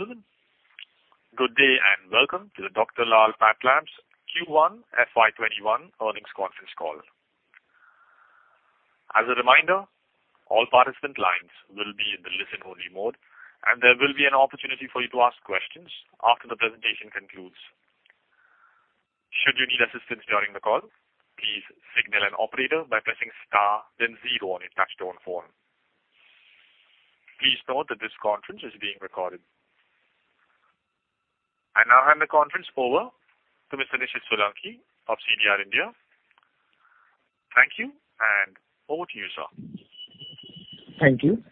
Ladies and gentlemen, good day and welcome to the Dr. Lal PathLabs Q1 FY21 earnings conference call. As a reminder, all participant lines will be in the listen-only mode, and there will be an opportunity for you to ask questions after the presentation concludes. Should you need assistance during the call, please signal an operator by pressing star then zero on your touch-tone phone. Please note that this conference is being recorded. I now hand the conference over to Mr. Nishid Solanki of CDR India. Thank you, and over to you, sir. Thank you.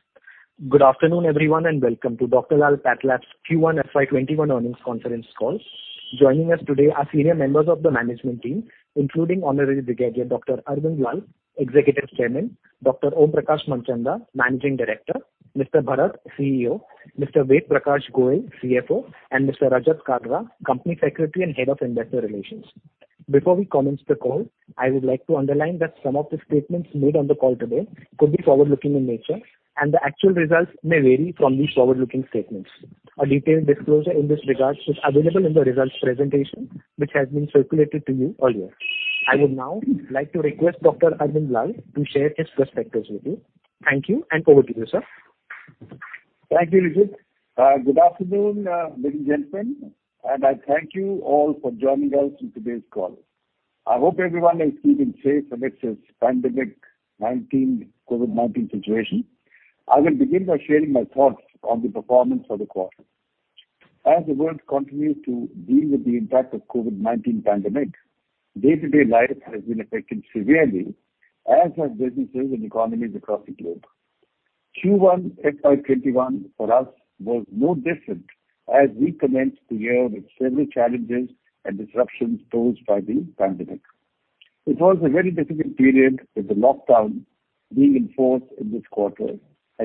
Good afternoon, everyone, and welcome to Dr. Lal PathLabs Q1 FY21 earnings conference call. Joining us today are senior members of the management team, including Honorary Brigadier Dr. Arvind Lal, Executive Chairman, Dr. Om Prakash Manchanda, Managing Director, Mr. Bharath, CEO, Mr. Ved Prakash Goel, CFO, and Mr. Rajat Kalra, Company Secretary and Head of Investor Relations. Before we commence the call, I would like to underline that some of the statements made on the call today could be forward-looking in nature, and the actual results may vary from these forward-looking statements. A detailed disclosure in this regard is available in the results presentation, which has been circulated to you earlier. I would now like to request Dr. Arvind Lal to share his perspectives with you. Thank you, and over to you, sir. Thank you, Nishid. Good afternoon, ladies and gentlemen. I thank you all for joining us on today's call. I hope everyone is keeping safe amidst this pandemic COVID-19 situation. I will begin by sharing my thoughts on the performance of the quarter. As the world continues to deal with the impact of COVID-19 pandemic, day-to-day life has been affected severely, as have businesses and economies across the globe. Q1 FY21 for us was no different, as we commenced the year with several challenges and disruptions posed by the pandemic. It was a very difficult period with the lockdown being enforced in this quarter.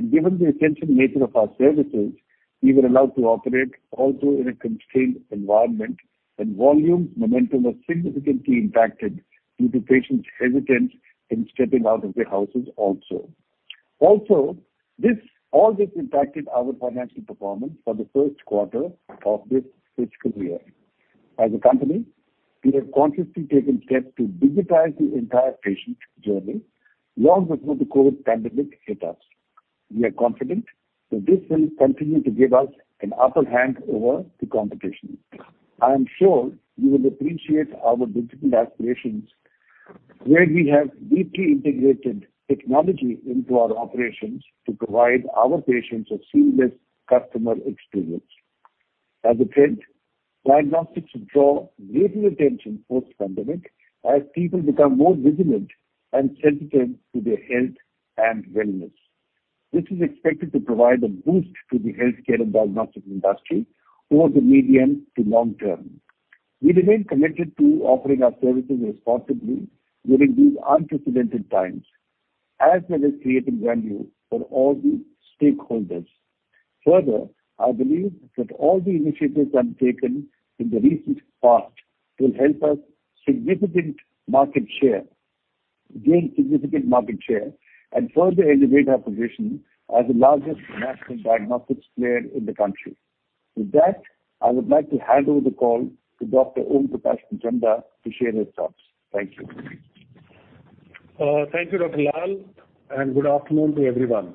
Given the essential nature of our services, we were allowed to operate also in a constrained environment. Volumes momentum was significantly impacted due to patients' hesitance in stepping out of their houses also. All this impacted our financial performance for the first quarter of this fiscal year. As a company, we have consciously taken steps to digitize the entire patient journey long before the COVID-19 pandemic hit us. We are confident that this will continue to give us an upper hand over the competition. I am sure you will appreciate our digital aspirations, where we have deeply integrated technology into our operations to provide our patients a seamless customer experience. As a trend, diagnostics draw greater attention post-pandemic, as people become more vigilant and sensitive to their health and wellness. This is expected to provide a boost to the healthcare and diagnostic industry over the medium to long term. We remain committed to offering our services responsibly during these unprecedented times, as well as creating value for all the stakeholders. Further, I believe that all the initiatives undertaken in the recent past will help us gain significant market share and further elevate our position as the largest national diagnostics player in the country. With that, I would like to hand over the call to Dr. Om Prakash Manchanda to share his thoughts. Thank you. Thank you, Dr. Lal. Good afternoon to everyone.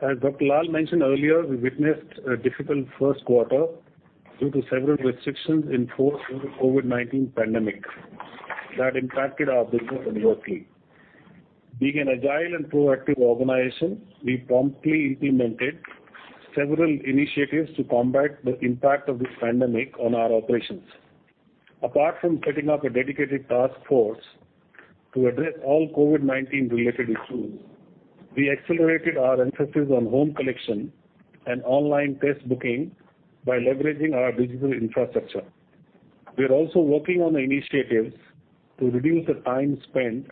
As Dr. Lal mentioned earlier, we witnessed a difficult first quarter due to several restrictions in force due to COVID-19 pandemic that impacted our business adversely. Being an agile and proactive organization, we promptly implemented several initiatives to combat the impact of this pandemic on our operations. Apart from setting up a dedicated task force to address all COVID-19 related issues, we accelerated our emphasis on home collection and online test booking by leveraging our digital infrastructure. We are also working on initiatives to reduce the time spent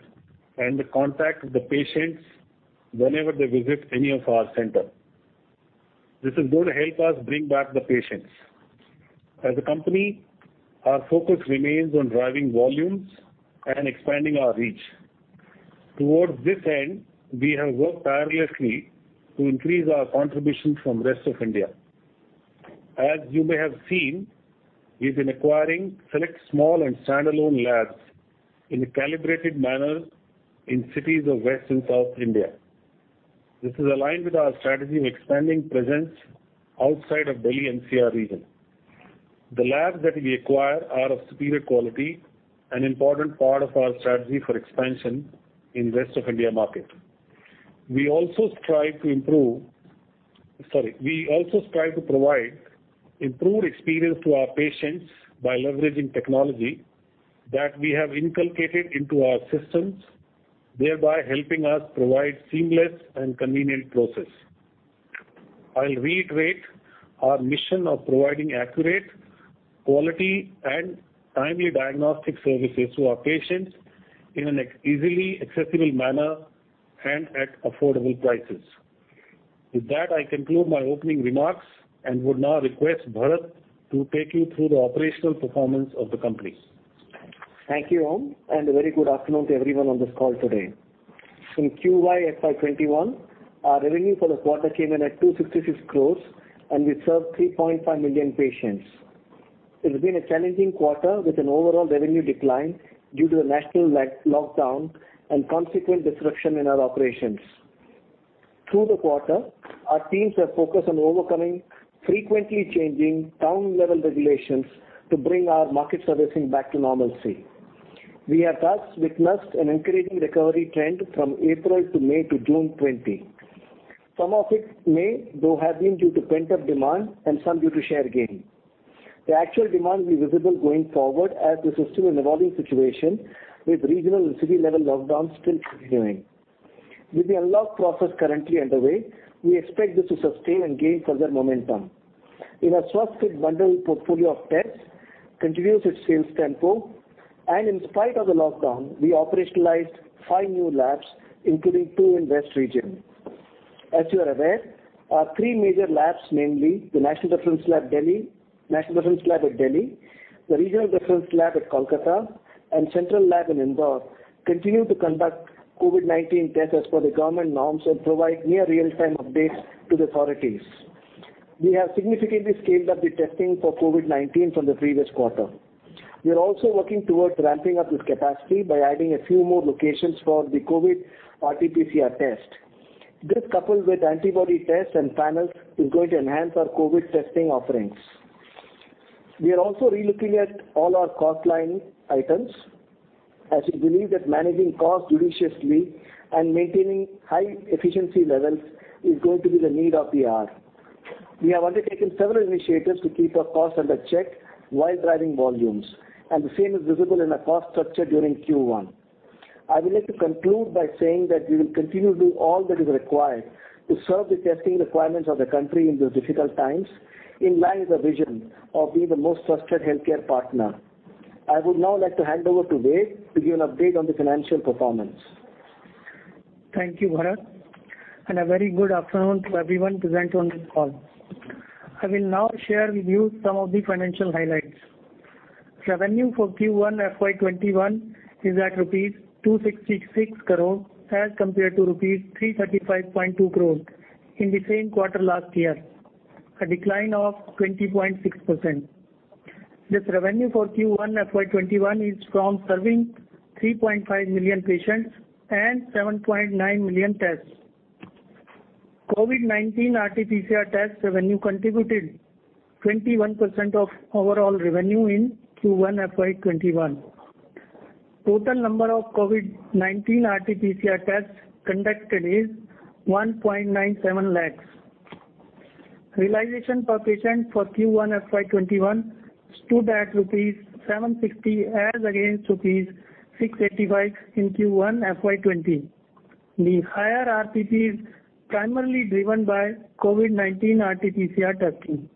and the contact with the patients whenever they visit any of our centers. This is going to help us bring back the patients. As a company, our focus remains on driving volumes and expanding our reach. Towards this end, we have worked tirelessly to increase our contribution from Rest of India. As you may have seen, we've been acquiring select small and standalone labs in a calibrated manner in cities of West and South India. This is aligned with our strategy of expanding presence outside of Delhi NCR region. The labs that we acquire are of superior quality, an important part of our strategy for expansion in Rest of India market. We also strive to provide improved experience to our patients by leveraging technology that we have inculcated into our systems, thereby helping us provide seamless and convenient process. I'll reiterate our mission of providing accurate, quality, and timely diagnostic services to our patients in an easily accessible manner and at affordable prices. With that, I conclude my opening remarks and would now request Bharath to take you through the operational performance of the company. Thank you, Om, and a very good afternoon to everyone on this call today. In Q1 FY21, our revenue for the quarter came in at 266 crores, and we served 3.5 million patients. It has been a challenging quarter with an overall revenue decline due to the national lockdown and consequent disruption in our operations. Through the quarter, our teams have focused on overcoming frequently changing town-level regulations to bring our market servicing back to normalcy. We have thus witnessed an encouraging recovery trend from April to May to June 2020. Some of it may, though, have been due to pent-up demand and some due to share gain. The actual demand will be visible going forward as we're still in an evolving situation, with regional and city-level lockdowns still continuing. With the unlock process currently underway, we expect this to sustain and gain further momentum. Our Swasthfit bundle portfolio of tests continues its sales tempo, and in spite of the lockdown, we operationalized five new labs, including two in West Region. As you are aware, our three major labs, namely the National Reference Lab at Delhi, the Regional Reference Lab at Kolkata, and Central Lab in Indore, continue to conduct COVID-19 tests as per the government norms and provide near real-time updates to the authorities. We have significantly scaled up the testing for COVID-19 from the previous quarter. We are also working towards ramping up this capacity by adding a few more locations for the COVID RT-PCR test. This, coupled with antibody tests and panels, is going to enhance our COVID testing offerings. We are also re-looking at all our cost line items, as we believe that managing costs judiciously and maintaining high efficiency levels is going to be the need of the hour. We have undertaken several initiatives to keep our costs under check while driving volumes, and the same is visible in our cost structure during Q1. I would like to conclude by saying that we will continue to do all that is required to serve the testing requirements of the country in these difficult times, in line with the vision of being the most trusted healthcare partner. I would now like to hand over to Ved to give an update on the financial performance. Thank you, Bharath, and a very good afternoon to everyone present on this call. I will now share with you some of the financial highlights. Revenue for Q1 FY21 is at INR 266 crores as compared to INR 335.2 crores in the same quarter last year, a decline of 20.6%. This revenue for Q1 FY21 is from serving 3.5 million patients and 7.9 million tests. COVID-19 RT-PCR test revenue contributed 21% of overall revenue in Q1 FY21. Total number of COVID-19 RT-PCR tests conducted is 1.97 lakhs. Realization per patient for Q1 FY21 stood at rupees 750 as against rupees 685 in Q1 FY20. The higher RTP is primarily driven by COVID-19 RT-PCR testing.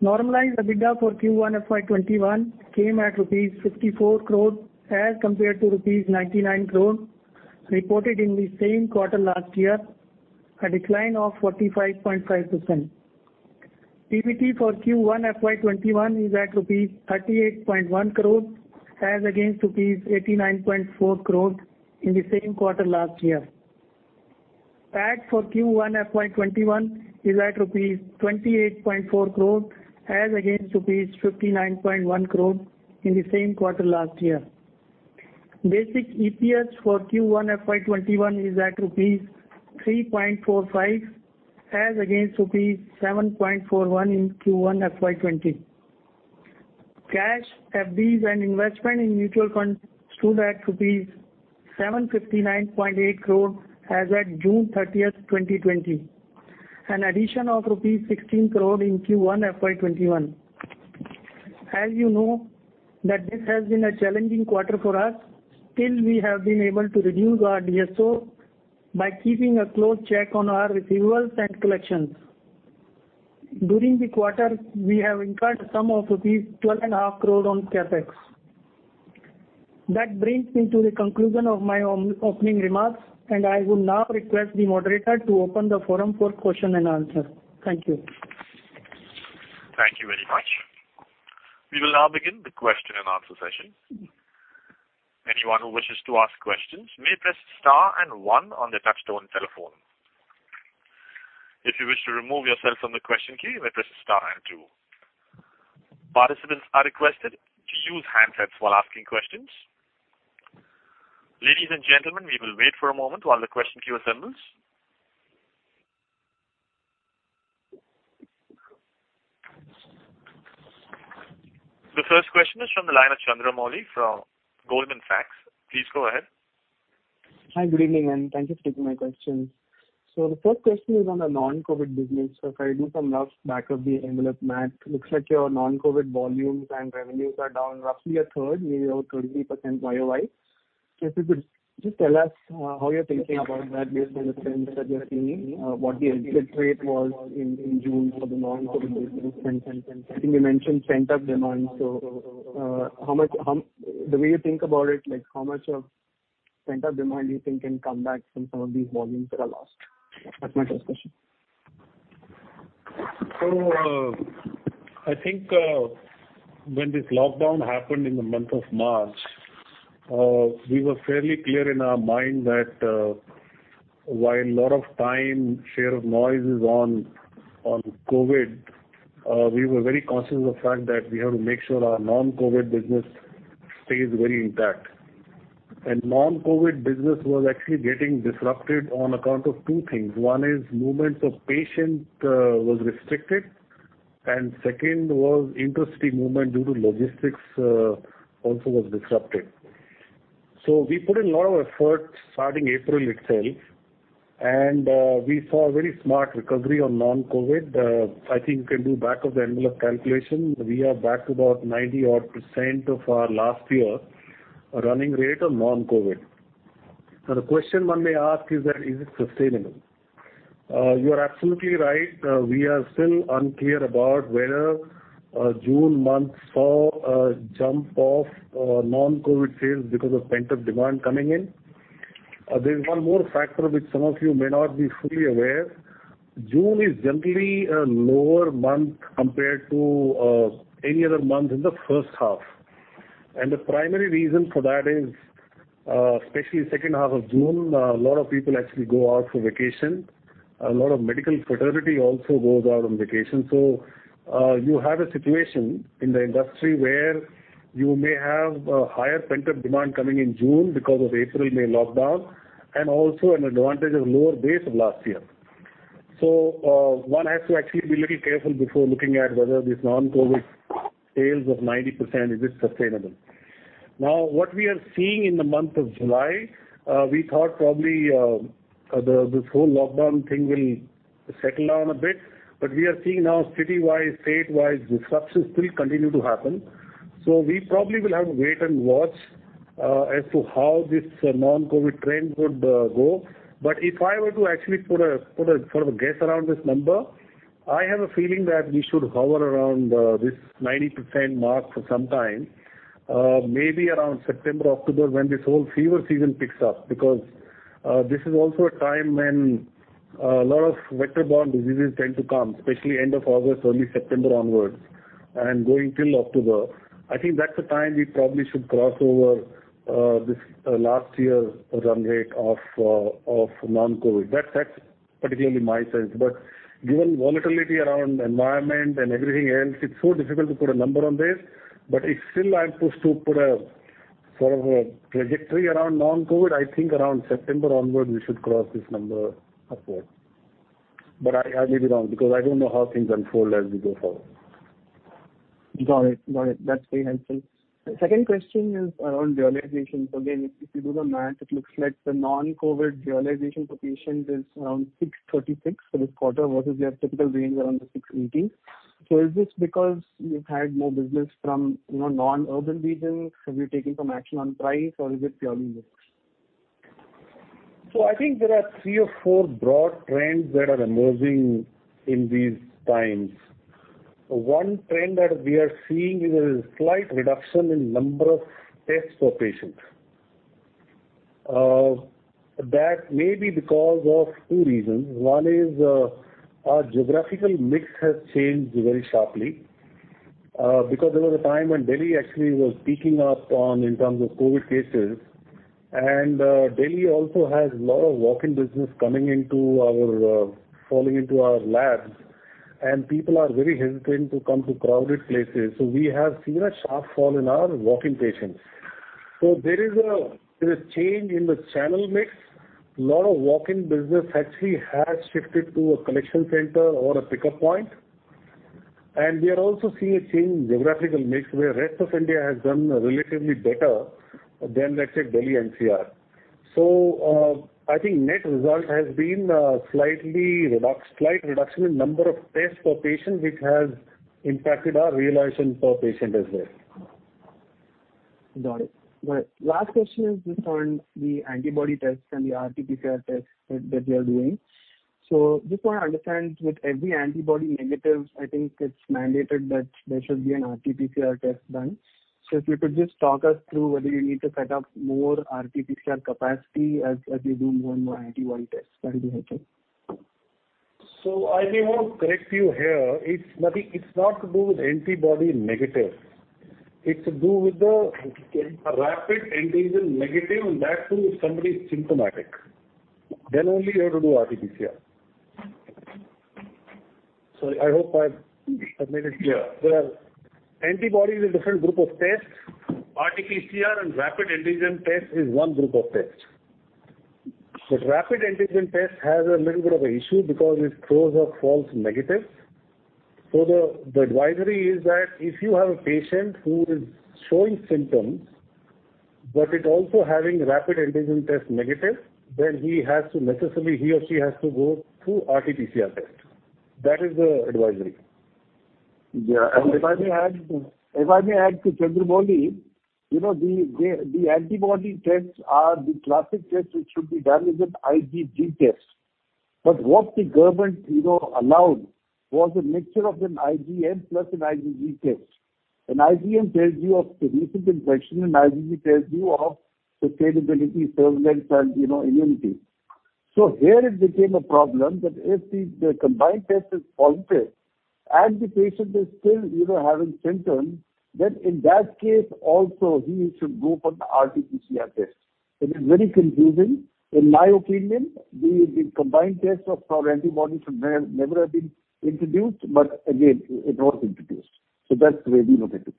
Normalized EBITDA for Q1 FY21 came at rupees 54 crores as compared to rupees 99 crores reported in the same quarter last year, a decline of 45.5%. PBT for Q1 FY21 is at rupees 38.1 crores as against rupees 89.4 crores in the same quarter last year. PAT for Q1 FY21 is at rupees 28.4 crores as against rupees 59.1 crores in the same quarter last year. Basic EPS for Q1 FY21 is at rupees 3.45 as against rupees 7.41 in Q1 FY20. Cash, FDs, and investment in mutual funds stood at rupees 759.8 crores as at June 30th, 2020, an addition of rupees 16 crore in Q1 FY21. You know that this has been a challenging quarter for us. We have been able to reduce our DSO by keeping a close check on our receivables and collections. During the quarter, we have incurred a sum of 12.5 crores on CapEx. That brings me to the conclusion of my opening remarks, and I will now request the moderator to open the forum for question and answer. Thank you. Thank you very much. We will now begin the question and answer session. Anyone who wishes to ask questions may press star and one on their touch-tone telephone. If you wish to remove yourself from the question queue, you may press star and two. Participants are requested to use handsets while asking questions. Ladies and gentlemen, we will wait for a moment while the question queue assembles. The first question is from the line of Chandramouli from Goldman Sachs. Please go ahead. Hi, good evening, and thank you for taking my question. The first question is on the non-COVID business. If I do some rough back of the envelope math, looks like your non-COVID volumes and revenues are down roughly a third, maybe about 30% Y-o-Y. If you could just tell us how you're thinking about that based on the trends that you're seeing, what the exit rate was in June for the non-COVID business and I think you mentioned pent-up demand. The way you think about it, how much of pent-up demand do you think can come back from some of these volumes that are lost? That's my first question. I think when this lockdown happened in the month of March, we were fairly clear in our mind that while a lot of time share of noise is on COVID, we were very conscious of the fact that we have to make sure our non-COVID business stays very intact. Non-COVID business was actually getting disrupted on account of two things. One is movements of patient was restricted, and second was intercity movement due to logistics also was disrupted. We put in a lot of effort starting April itself, and we saw a very smart recovery on non-COVID. I think you can do back of the envelope calculation. We are back about 90 odd percent of our last year running rate on non-COVID. The question one may ask is that, is it sustainable? You are absolutely right. We are still unclear about whether June month saw a jump of non-COVID sales because of pent-up demand coming in. There's one more factor which some of you may not be fully aware. June is generally a lower month compared to any other month in the first half. The primary reason for that is, especially second half of June, a lot of people actually go out for vacation. A lot of medical fraternity also goes out on vacation. You have a situation in the industry where you may have a higher pent-up demand coming in June because of April, May lockdown, and also an advantage of lower base of last year. One has to actually be little careful before looking at whether this non-COVID sales of 90% is sustainable. What we are seeing in the month of July, we thought probably this whole lockdown thing will settle down a bit. We are seeing now citywide, statewide disruptions still continue to happen. We probably will have to wait and watch as to how this non-COVID trend would go. If I were to actually put a sort of a guess around this number, I have a feeling that we should hover around this 90% mark for some time, maybe around September, October, when this whole fever season picks up, because this is also a time when a lot of vector-borne diseases tend to come, especially end of August, early September onwards and going till October. I think that's the time we probably should cross over this last year's run rate of non-COVID. That's particularly my sense. Given volatility around environment and everything else, it's so difficult to put a number on this. If still I'm pushed to put a sort of a trajectory around non-COVID, I think around September onwards, we should cross this number from before. I may be wrong because I don't know how things unfold as we go forward. Got it. That's very helpful. The second question is around realization. Again, if you do the math, it looks like the non-COVID realization per patient is around 636 for this quarter versus their typical range around 618. Is this because you've had more business from non-urban regions? Have you taken some action on price or is it purely mix? I think there are three or four broad trends that are emerging in these times. One trend that we are seeing is a slight reduction in number of tests per patient. That may be because of two reasons. One is our geographical mix has changed very sharply. There was a time when Delhi actually was peaking up in terms of COVID cases, and Delhi also has lot of walk-in business falling into our labs, and people are very hesitant to come to crowded places. We have seen a sharp fall in our walk-in patients. There is a change in the channel mix. Lot of walk-in business actually has shifted to a collection center or a pickup point. We are also seeing a change in geographical mix, where Rest of India has done relatively better than, let's say, Delhi NCR. I think net result has been a slight reduction in number of tests per patient, which has impacted our realization per patient as well. Got it. Last question is just on the antibody tests and the RT-PCR tests that you are doing. Just want to understand with every antibody negative, I think it's mandated that there should be an RT-PCR test done. If you could just talk us through whether you need to set up more RT-PCR capacity as you do more and more antibody tests. That would be helpful. I may want to correct you here. It's not to do with antibody negative. It's to do with the rapid antigen negative, and that too, if somebody is symptomatic. Only you have to do RT-PCR. Sorry. I hope I have made it clear. Antibody is a different group of tests. RT-PCR and rapid antigen test is one group of tests. Rapid antigen test has a little bit of a issue because it throws up false negatives. The advisory is that if you have a patient who is showing symptoms, but is also having rapid antigen test negative, then he or she has to go through RT-PCR test. That is the advisory. If I may add to Chandramouli, the antibody tests are the classic test which should be done with an IgG test. What the government allowed was a mixture of an IgM plus an IgG test. An IgM tells you of recent infection, an IgG tells you of sustainability, surveillance, and immunity. Here it became a problem that if the combined test is positive and the patient is still having symptoms, then in that case also, he should go for the RT-PCR test. It is very confusing. In my opinion, the combined test of our antibodies should never have been introduced, but again, it was introduced. That's the way we look at it.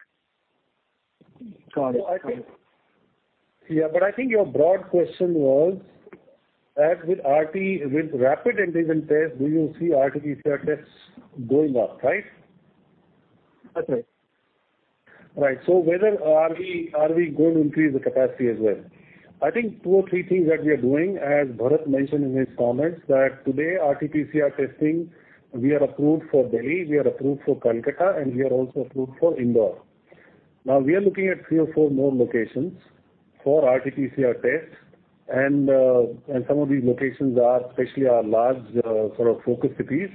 Yeah, I think your broad question was, with rapid antigen test, do you see RT-PCR tests going up, right? That's right. Right. Whether are we going to increase the capacity as well? I think two or three things that we are doing, as Bharath mentioned in his comments, that today RT-PCR testing, we are approved for Delhi, we are approved for Kolkata, and we are also approved for Indore. Now we are looking at three or four more locations for RT-PCR tests, and some of these locations especially are large sort of focus cities.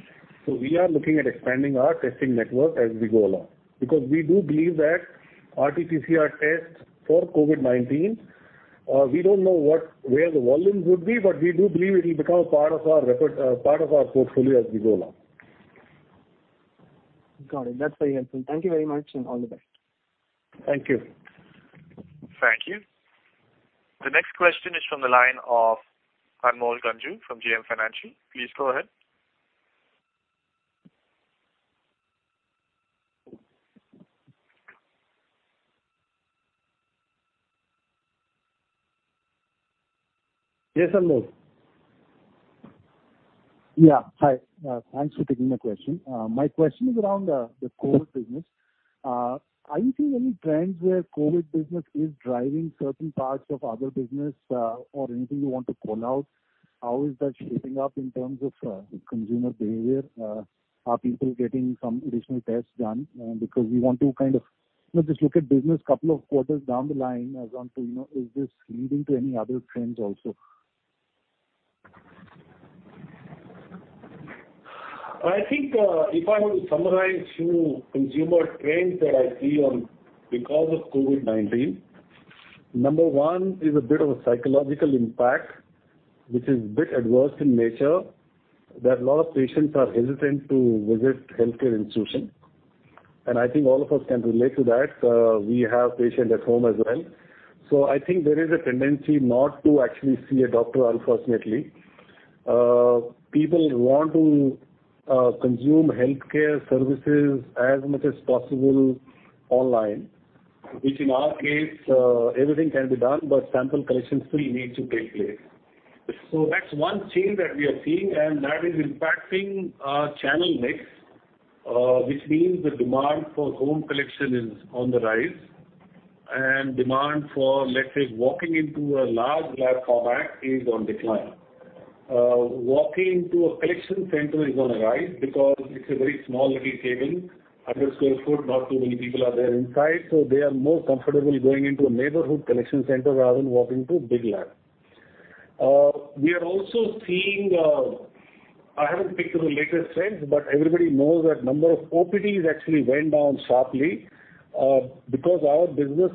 We are looking at expanding our testing network as we go along, because we do believe that RT-PCR tests for COVID-19, we don't know where the volumes would be, but we do believe it will become part of our portfolio as we go along. Got it. That's very helpful. Thank you very much, and all the best. Thank you. Thank you. The next question is from the line of Anmol Ganjoo from JM Financial. Please go ahead. Yes, Anmol. Yeah, hi. Thanks for taking the question. My question is around the COVID business. Are you seeing any trends where COVID business is driving certain parts of other business or anything you want to call out? How is that shaping up in terms of consumer behavior? Are people getting some additional tests done? We want to kind of just look at business couple of quarters down the line as on to. Is this leading to any other trends also? I think, if I were to summarize few consumer trends that I see on because of COVID-19, number one is a bit of a psychological impact, which is a bit adverse in nature, that a lot of patients are hesitant to visit healthcare institution. I think all of us can relate to that. We have patient at home as well. I think there is a tendency not to actually see a doctor, unfortunately. People want to consume healthcare services as much as possible online, which in our case, everything can be done, but sample collection still needs to take place. That's one change that we are seeing, and that is impacting our channel mix. Which means the demand for home collection is on the rise, and demand for, let's say, walking into a large lab format is on decline. Walking into a collection center is on the rise because it's a very small, little cabin, 100 sq ft, not too many people are there inside. They are more comfortable going into a neighborhood collection center rather than walking to a big lab. We are also seeing, I haven't picked the latest trends, but everybody knows that number of OPDs actually went down sharply. Because our business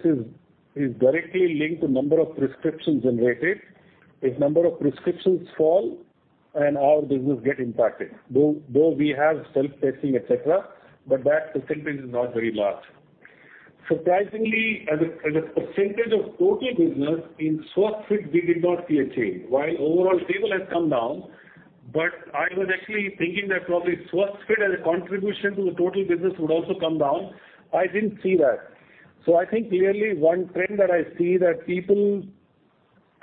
is directly linked to number of prescriptions generated. If number of prescriptions fall, and our business get impacted. Though we have self-testing, et cetera, but that percentage is not very large. Surprisingly, as a percentage of total business, in Swasthfit we did not see a change. While overall total has come down, but I was actually thinking that probably Swasthfit as a contribution to the total business would also come down. I didn't see that. I think clearly one trend that I see that people,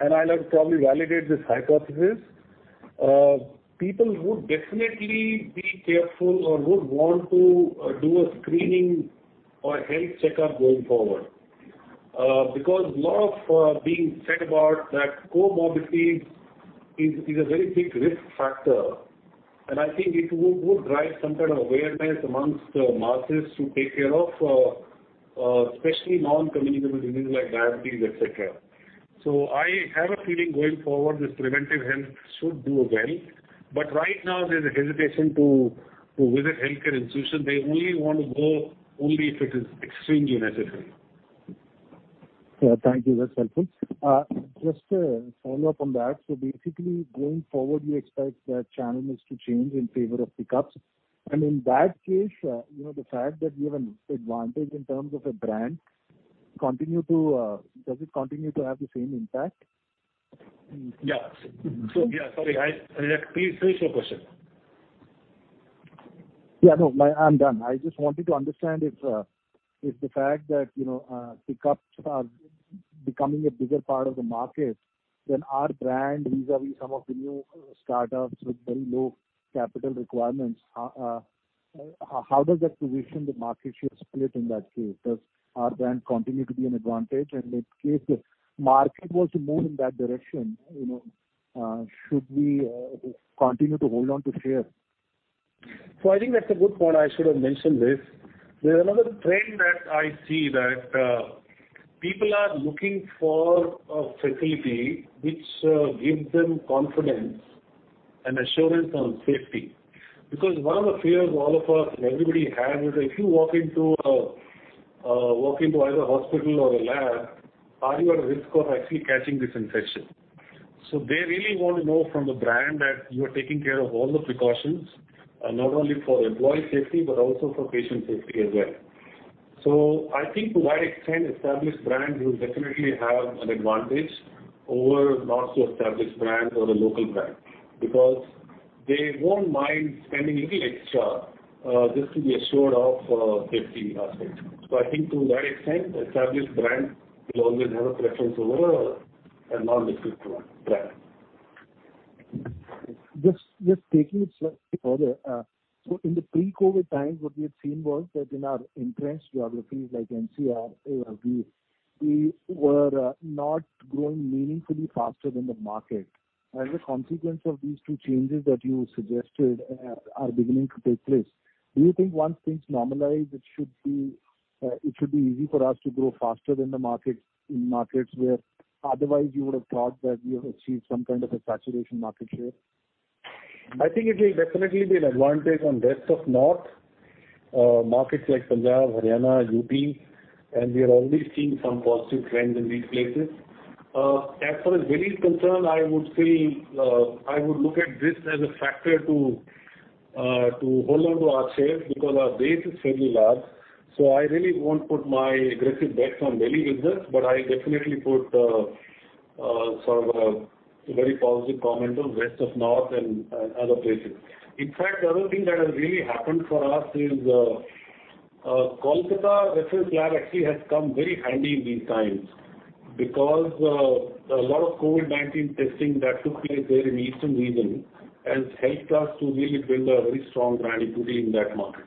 and I'll have to probably validate this hypothesis, people would definitely be careful or would want to do a screening or a health checkup going forward. Lot of being said about that comorbidity is a very big risk factor, and I think it would drive some kind of awareness amongst the masses to take care of especially non-communicable diseases like diabetes, et cetera. I have a feeling going forward that preventive health should do well. Right now there's a hesitation to visit healthcare institution. They only want to go only if it is extremely necessary. Yeah, thank you. That's helpful. Just to follow up on that. Basically, going forward, we expect that channel mix to change in favor of pickups. In that case, the fact that we have an advantage in terms of a brand, does it continue to have the same impact? Yeah. Sorry, please finish your question. No, I'm done. I just wanted to understand if the fact that pickups are becoming a bigger part of the market, then our brand vis-à-vis some of the new startups with very low capital requirements, how does that position the market share split in that case? Does our brand continue to be an advantage? If case the market was to move in that direction, should we continue to hold on to share? I think that's a good point. I should have mentioned this. There's another trend that I see that people are looking for a facility which gives them confidence, an assurance on safety. One of the fears all of us and everybody has is if you walk into either hospital or a lab, are you at risk of actually catching this infection? They really want to know from the brand that you are taking care of all the precautions, not only for employee safety but also for patient safety as well. I think to that extent, established brands will definitely have an advantage over not-so-established brands or the local brand, because they won't mind spending a little extra just to be assured of safety aspect. I think to that extent, established brand will always have a preference over a non-existent brand. Just taking it a step further. In the pre-COVID times, what we had seen was that in our entrenched geographies like NCR, we were not growing meaningfully faster than the market. As a consequence of these two changes that you suggested are beginning to take place, do you think once things normalize, it should be easy for us to grow faster than the markets where otherwise you would have thought that we have achieved some kind of a saturation market share? I think it will definitely be an advantage on rest of north markets like Punjab, Haryana, UP, and we are already seeing some positive trends in these places. As far as Delhi is concerned, I would look at this as a factor to hold on to our shares because our base is fairly large. I really won't put my aggressive bets on Delhi business, but I definitely put sort of a very positive comment on rest of north and other places. In fact, the other thing that has really happened for us is Kolkata reference lab actually has come very handy in these times. A lot of COVID-19 testing that took place there in eastern region has helped us to really build a very strong brand equity in that market.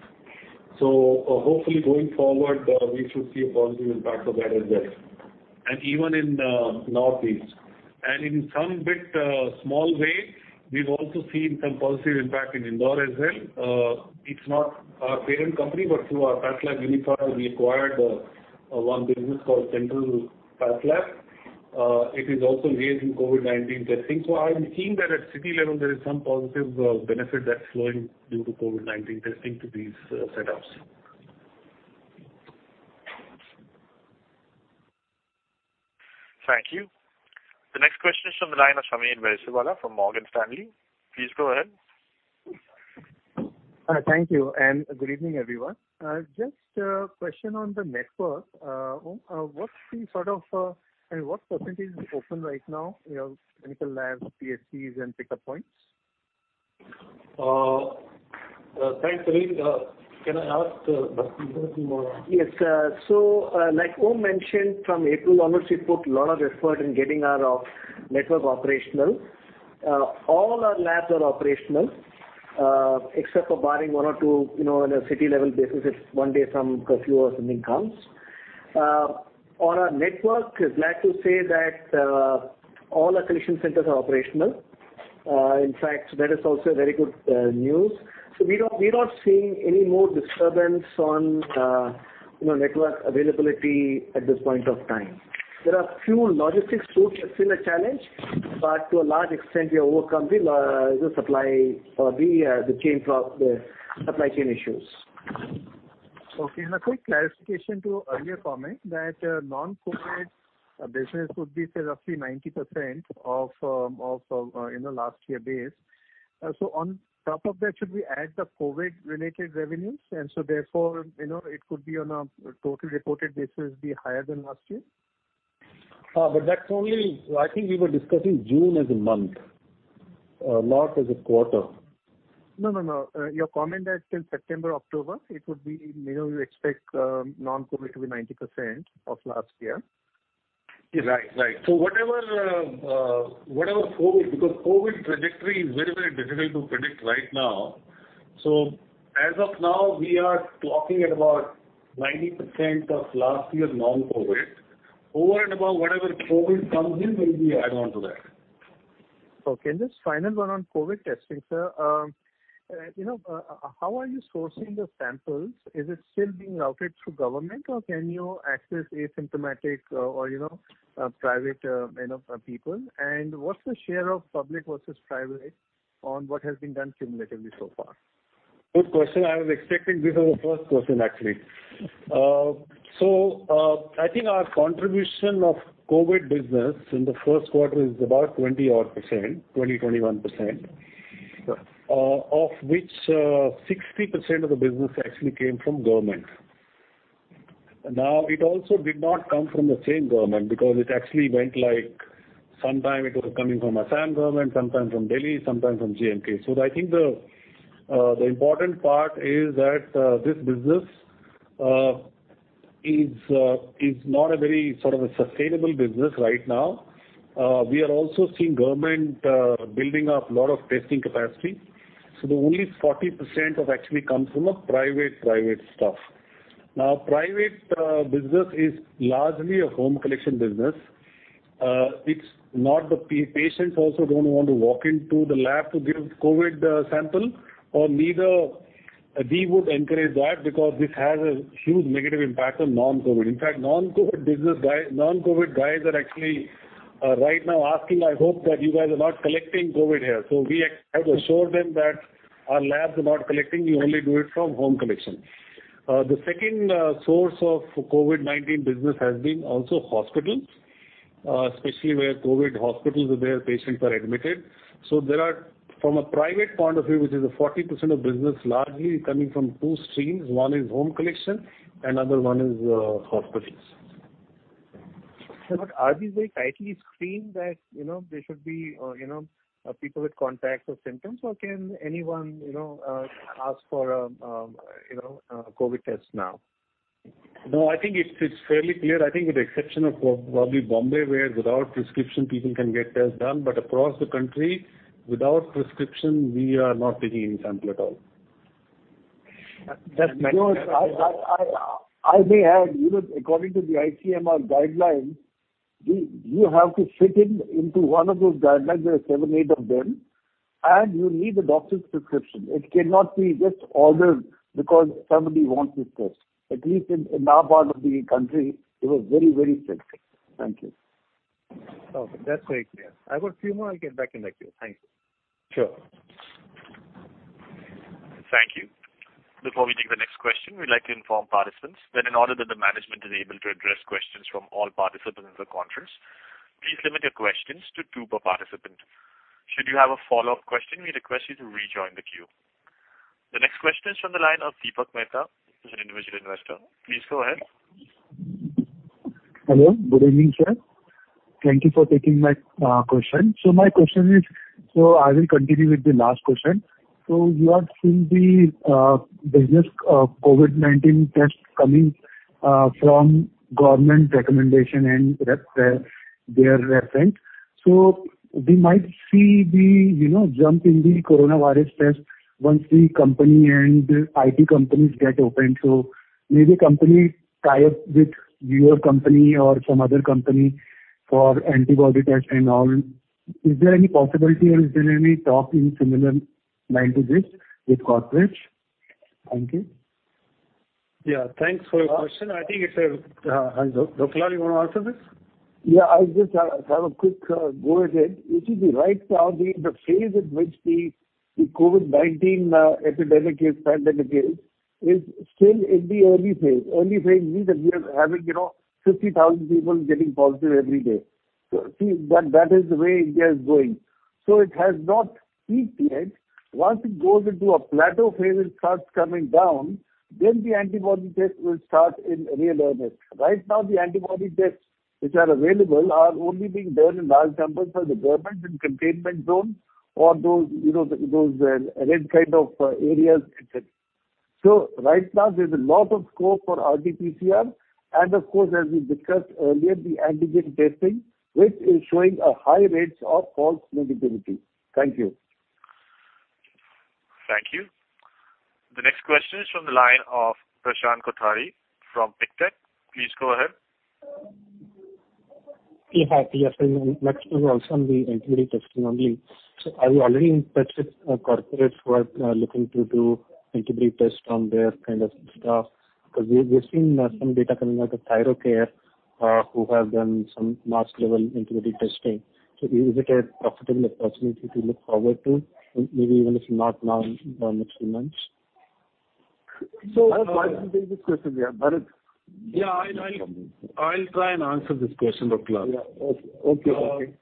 Hopefully going forward, we should see a positive impact of that as well, even in Northeast. In some bit small way, we've also seen some positive impact in Indore as well. It's not our parent company, but through our PathLabs Unifiers, we acquired one business called Central Path Lab. It is also engaged in COVID-19 testing. I'm seeing that at city level, there is some positive benefit that's flowing due to COVID-19 testing to these setups. Thank you. The next question is from the line of Sameer Baisiwala from Morgan Stanley. Please go ahead. Thank you, good evening, everyone. Just a question on the network. Om, what percentage is open right now in your clinical labs, PSCs, and pickup points? Thanks, Sameer. Can I ask Bharath to elaborate? Yes. Like Om mentioned, from April onwards, we put a lot of effort in getting our network operational. All our labs are operational except for barring one or two, on a city level basis, if one day some curfew or something comes. On our network, glad to say that all our collection centers are operational. In fact, that is also very good news. We're not seeing any more disturbance on network availability at this point of time. There are few logistics tools that's been a challenge, but to a large extent, we have overcome the supply chain issues. Okay. A quick clarification to earlier comment that non-COVID business would be roughly 90% of last year base. On top of that, should we add the COVID-related revenues, and so therefore it could be on a total reported basis be higher than last year? I think we were discussing June as a month, not as a quarter. No, your comment that till September, October, you expect non-COVID to be 90% of last year. Right. Whatever COVID, because COVID trajectory is very difficult to predict right now. As of now, we are talking at about 90% of last year's non-COVID. Over and above whatever COVID comes in will be add-on to that. Okay. Just final one on COVID testing, sir. How are you sourcing the samples? Is it still being routed through government, or can you access asymptomatic or private people? What's the share of public versus private on what has been done cumulatively so far? Good question. I was expecting this as the first question, actually. I think our contribution of COVID business in the first quarter is about 20 odd percent, 20%, 21%, of which 60% of the business actually came from government. It also did not come from the same government because it actually went like sometime it was coming from Assam government, sometime from Delhi, sometime from J&K. I think the important part is that this business is not a very sort of a sustainable business right now. We are also seeing government building up lot of testing capacity. The only 40% have actually come from a private stuff. Private business is largely a home collection business. Patients also don't want to walk into the lab to give COVID sample or neither we would encourage that because this has a huge negative impact on non-COVID. Non-COVID guys are actually right now asking, "I hope that you guys are not collecting COVID here." We have assured them that our labs are not collecting, we only do it from home collection. The second source of COVID-19 business has been also hospitals, especially where COVID hospitals, where patients are admitted. There are, from a private point of view, which is a 40% of business largely coming from two streams, one is home collection and other one is hospitals. Sir, are these very tightly screened that there should be people with contacts or symptoms, or can anyone ask for a COVID test now? No, I think it's fairly clear. I think with the exception of probably Bombay, where without prescription, people can get tests done, but across the country, without prescription, we are not taking any sample at all. That's- Because I may have, according to the ICMR guidelines, you have to fit in into one of those guidelines. There are seven, eight of them. You need a doctor's prescription. It cannot be just ordered because somebody wants a test. At least in our part of the country, it was very strict. Thank you. Perfect. That's very clear. I've got a few more. I'll get back in the queue. Thank you. Sure. Thank you. Before we take the next question, we would like to inform participants that in order that the management is able to address questions from all participants in the conference, please limit your questions to two per participant. Should you have a follow-up question, we request you to rejoin the queue. The next question is from the line of Deepak Mehta, who is an Individual Investor. Please go ahead. Hello. Good evening, sir. Thank you for taking my question. My question is. I will continue with the last question. You are seeing the business of COVID-19 tests coming from government recommendation and their reference. We might see the jump in the coronavirus test once the company and IT companies get opened. Maybe company tie up with your company or some other company for antibody test and all. Is there any possibility or is there any talk in similar line to this with corporates? Thank you. Yeah. Thanks for your question. I think it's a Dr. Lal, you want to answer this? Yeah, I just have a quick go ahead. Right now, the phase at which the COVID-19 pandemic is still in the early phase. Early phase means that we are having 50,000 people getting positive every day. See, that is the way India is going. It has not peaked yet. Once it goes into a plateau phase and starts coming down, the antibody test will start in real earnest. Right now, the antibody tests which are available are only being done in large numbers by the government in containment zones or those red kind of areas, et cetera. Right now, there's a lot of scope for RT-PCR, and of course, as we discussed earlier, the antigen testing, which is showing high rates of false negativity. Thank you. Thank you. The next question is from the line of Prashant Kothari from Pictet. Please go ahead. Yeah. Hi, good afternoon. Also on the antibody testing only. Are you already in touch with corporates who are looking to do antibody tests from their kind of staff? Because we've seen some data coming out of Thyrocare, who have done some large-level antibody testing. Is it a profitable opportunity to look forward to, maybe even if not now, in the next few months? Why don't you take this question, Om Prakash? Yeah, I'll try and answer this question, Dr. Lal. Yeah. Okay.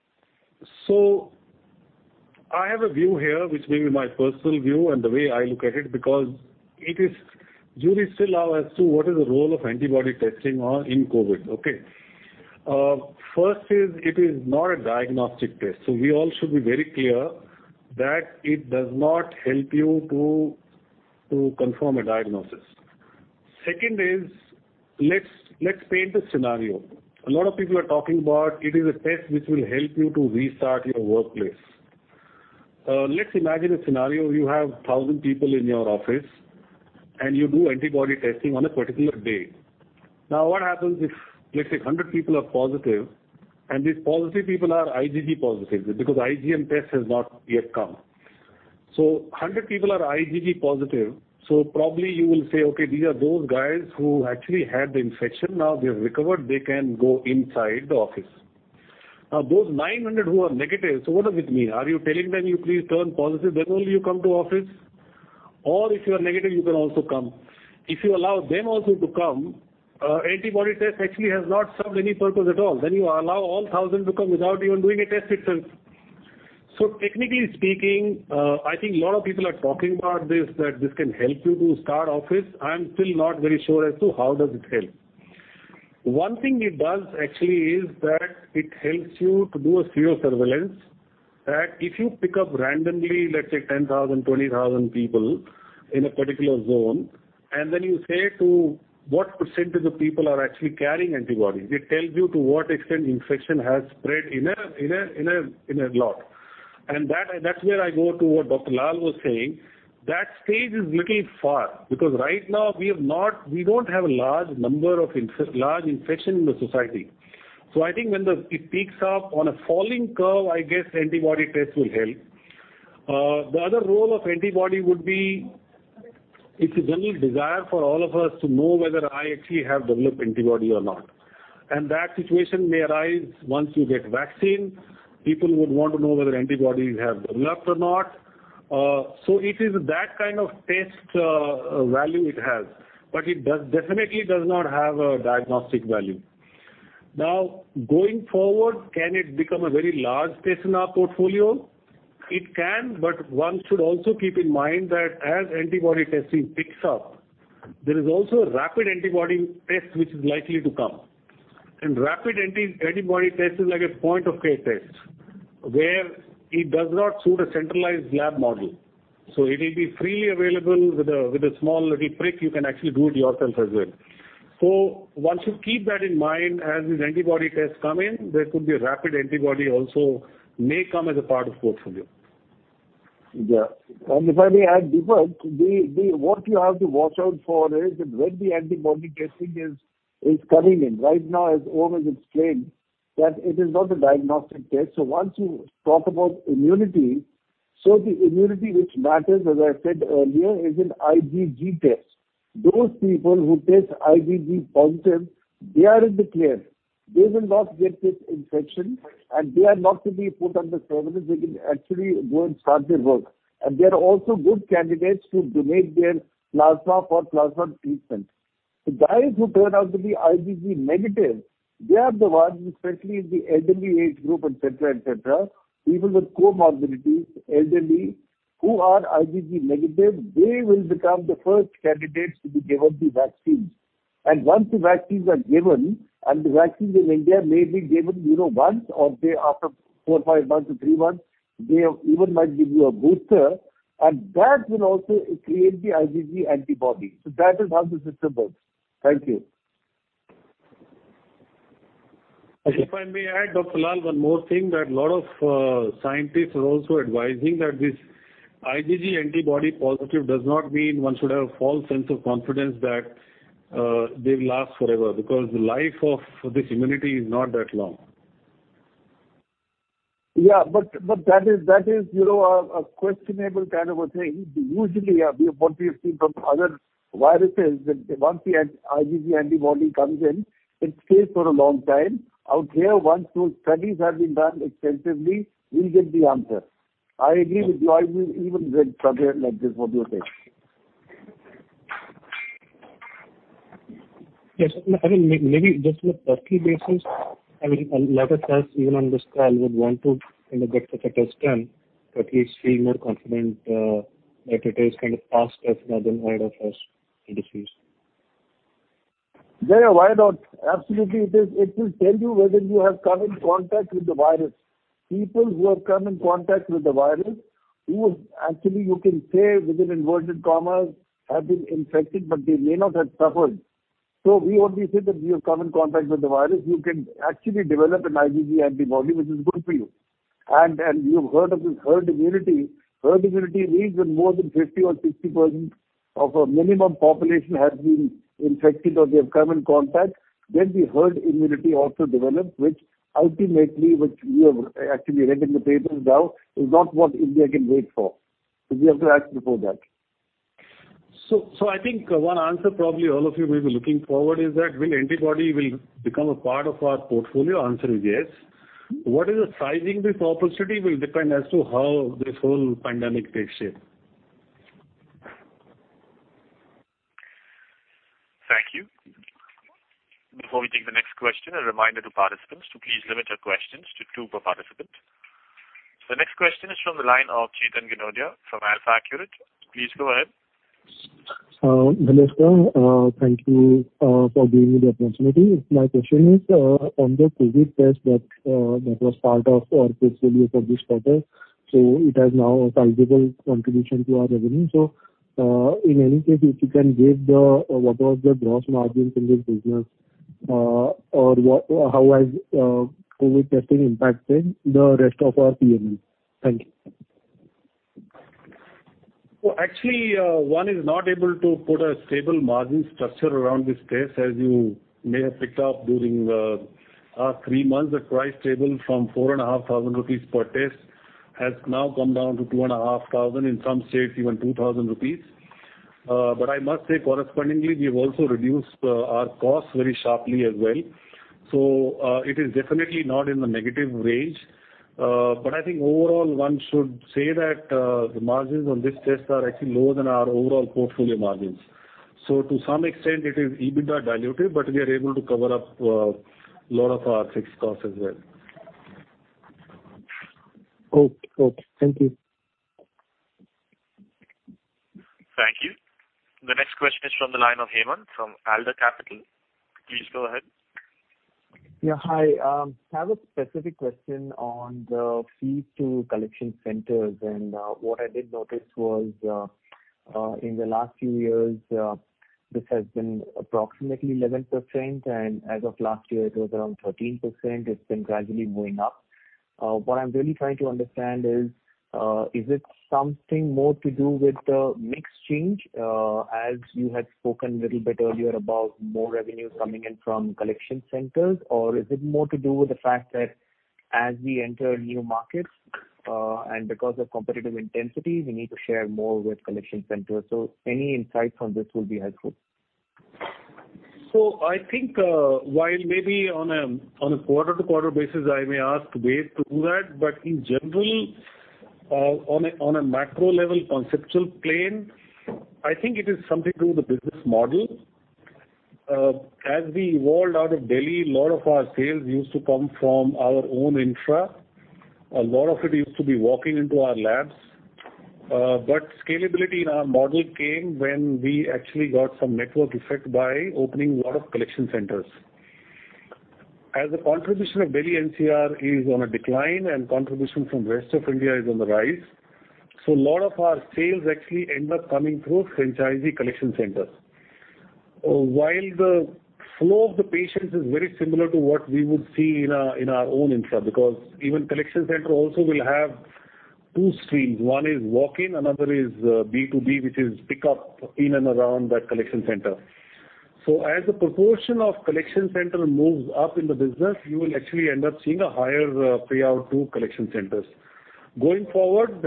I have a view here, which may be my personal view and the way I look at it, because jury is still out as to what is the role of antibody testing are in COVID, okay? First is, it is not a diagnostic test. We all should be very clear that it does not help you to confirm a diagnosis. Second is, let's paint a scenario. A lot of people are talking about it is a test which will help you to restart your workplace. Let's imagine a scenario, you have 1,000 people in your office and you do antibody testing on a particular day. Now, what happens if, let's say, 100 people are positive, and these positive people are IgG positive, because IgM test has not yet come. 100 people are IgG positive. Probably you will say, "Okay, these are those guys who actually had the infection." They have recovered, they can go inside the office. Those 900 who are negative, what does it mean? Are you telling them, you please turn positive, then only you come to office? If you are negative, you can also come. If you allow them also to come, antibody test actually has not served any purpose at all. You allow all 1,000 to come without even doing a test itself. Technically speaking, I think a lot of people are talking about this, that this can help you to start office. I'm still not very sure as to how does it help. One thing it does actually, is that it helps you to do a sero-surveillance, that if you pick up randomly, let's say 10,000, 20,000 people in a particular zone, and then you say to what percentage of people are actually carrying antibodies. It tells you to what extent infection has spread in a lot. That's where I go to what Dr. Lal was saying. That stage is little far, because right now we don't have a large infection in the society.I think when it peaks up on a falling curve, I guess antibody tests will help. The other role of antibody would be, it's a general desire for all of us to know whether I actually have developed antibody or not. That situation may arise once you get vaccine. People would want to know whether antibodies have developed or not. It is that kind of test value it has. It definitely does not have a diagnostic value. Going forward, can it become a very large test in our portfolio? It can, but one should also keep in mind that as antibody testing picks up, there is also a rapid antibody test which is likely to come. Rapid antibody test is like a point of care test, where it does not suit a centralized lab model. It will be freely available with a small little prick, you can actually do it yourself as well. Once you keep that in mind, as these antibody tests come in, there could be a rapid antibody also may come as a part of portfolio. Yeah. If I may add, Deepak, what you have to watch out for is that when the antibody testing is coming in. Right now, as Om has explained, that it is not a diagnostic test. Once you talk about immunity, so the immunity which matters, as I said earlier, is an IgG test. Those people who test IgG positive, they are in the clear. They will not get this infection, and they are not to be put under surveillance. They can actually go and start their work. They are also good candidates to donate their plasma for plasma treatment. The guys who turn out to be IgG negative, they are the ones, especially in the elderly age group, et cetera, people with comorbidities, elderly, who are IgG negative, they will become the first candidates to be given the vaccines. Once the vaccines are given, and the vaccines in India may be given once or after four or five months or three months, they even might give you a booster, and that will also create the IgG antibody. That is how the system works. Thank you. If I may add, Dr. Lal, one more thing, that a lot of scientists are also advising that this IgG antibody positive does not mean one should have a false sense of confidence that they'll last forever, because the life of this immunity is not that long. Yeah, that is a questionable kind of a thing. Usually, what we have seen from other viruses, that once the IgG antibody comes in, it stays for a long time. Out here, once those studies have been done extensively, we'll get the answer. I agree with you. I will even get tested like this. What do you say? Yes. I think maybe just on a personal basis, a lot of us, even on this call, would want to get such a test done to at least feel more confident that it is kind of past us rather than ahead of us, the disease. Yeah, why not? Absolutely, it will tell you whether you have come in contact with the virus. People who have come in contact with the virus, who actually you can say, within inverted commas, have been infected, but they may not have suffered. We only say that you have come in contact with the virus. You can actually develop an IgG antibody, which is good for you. You've heard of this herd immunity. Herd immunity means when more than 50% or 60% of a minimum population has been infected or they have come in contact, then the herd immunity also develops, which ultimately, which we have actually read in the papers now, is not what India can wait for. We have to act before that. I think one answer probably all of you may be looking for is that, will antibody become a part of our portfolio? Answer is yes. What is the sizing of this opportunity will depend as to how this whole pandemic takes shape. Thank you. Before we take the next question, a reminder to participants to please limit your questions to two per participant. The next question is from the line of Chetan Gindodia from AlfAccurate. Please go ahead. Hello. Thank you for giving me the opportunity. My question is on the COVID test that was part of our portfolio from the start. It has now a sizable contribution to our revenue. In any case, if you can give what was the gross margin in this business, or how has COVID testing impacted the rest of our P%L? Thank you. Well, actually, one is not able to put a stable margin structure around this test, as you may have picked up during our three months. The price level from 4,500 rupees per test has now come down to 2,500, in some states even 2,000 rupees. I must say correspondingly, we've also reduced our costs very sharply as well. It is definitely not in the negative range. I think overall, one should say that the margins on this test are actually lower than our overall portfolio margins. To some extent it is EBITDA dilutive, but we are able to cover up a lot of our fixed costs as well. Okay. Thank you. Thank you. The next question is from the line of Hemant from Alder Capital. Please go ahead. Yeah, hi. I have a specific question on the fees to collection centers. What I did notice was, in the last few years, this has been approximately 11%, and as of last year, it was around 13%. It's been gradually going up. What I'm really trying to understand is it something more to do with the mix change, as you had spoken a little bit earlier about more revenue coming in from collection centers? Or is it more to do with the fact that as we enter new markets, and because of competitive intensity, we need to share more with collection centers? Any insight on this will be helpful. I think while maybe on a quarter-to-quarter basis, I may ask Ved to do that, but in general, on a macro-level conceptual plane, I think it is something to do with the business model. As we evolved out of Delhi, a lot of our sales used to come from our own infra. A lot of it used to be walking into our labs. Scalability in our model came when we actually got some network effect by opening a lot of collection centers. As the contribution of Delhi NCR is on a decline and contribution from Rest of India is on the rise, so a lot of our sales actually end up coming through franchisee collection centers. While the flow of the patients is very similar to what we would see in our own infra, because even collection center also will have two streams. One is walk-in, another is B2B, which is pick up in and around that collection center. As the proportion of collection center moves up in the business, you will actually end up seeing a higher payout to collection centers. Going forward,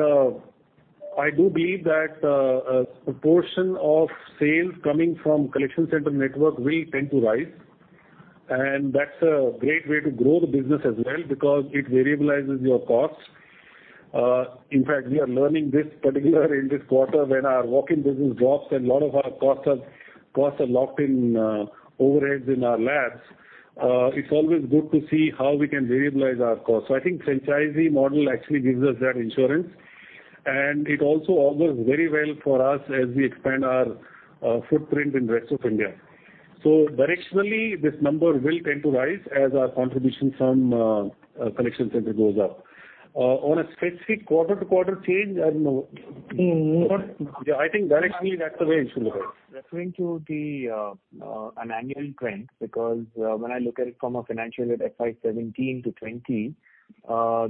I do believe that a proportion of sales coming from collection center network will tend to rise, and that's a great way to grow the business as well because it variabilizes your costs. In fact, we are learning this particular in this quarter when our walk-in business drops and a lot of our costs are locked in overheads in our labs. It's always good to see how we can variabilize our costs. I think franchisee model actually gives us that insurance, and it also augurs very well for us as we expand our footprint in Rest of India. Directionally, this number will tend to rise as our contribution from collection center goes up. On a specific quarter-to-quarter change, I don't know. Yeah, I think directionally, that's the way it should look at it. Referring to an annual trend, when I look at it from a financial year FY 2017 to 2020,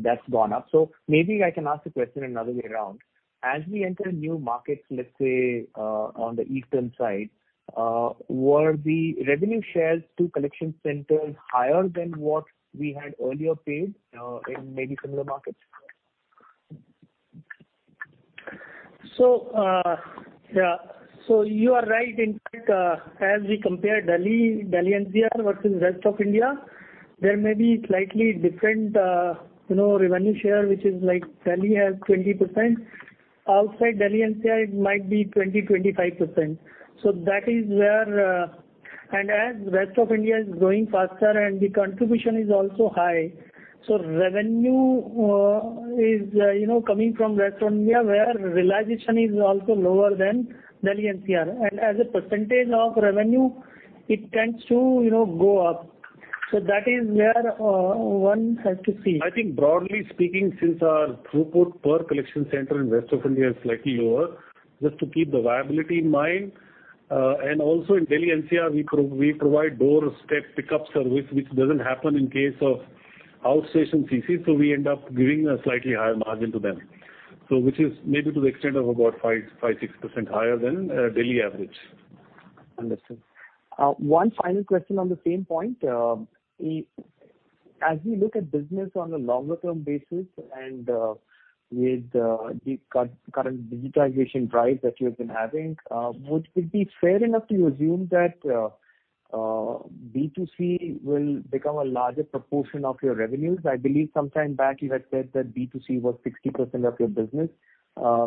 that's gone up. Maybe I can ask the question another way around. As we enter new markets, let's say, on the eastern side, were the revenue shares to collection centers higher than what we had earlier paid in maybe similar markets? You are right. In fact, as we compare Delhi NCR versus Rest of India, there may be slightly different revenue share, which is like Delhi has 20%. Outside Delhi NCR, it might be 20%, 25%. As Rest of India is growing faster and the contribution is also high, revenue is coming from Rest of India where realization is also lower than Delhi NCR. As a percentage of revenue, it tends to go up. That is where one has to see. I think broadly speaking, since our throughput per collection center in Rest of India is slightly lower, just to keep the viability in mind. Also in Delhi NCR, we provide door-step pickup service, which doesn't happen in case of outstation CCs. We end up giving a slightly higher margin to them. Which is maybe to the extent of about 5%-6% higher than Delhi average. Understood. One final question on the same point. As we look at business on a longer-term basis and with the current digitization drive that you've been having, would it be fair enough to assume that B2C will become a larger proportion of your revenues? I believe some time back you had said that B2C was 60% of your business.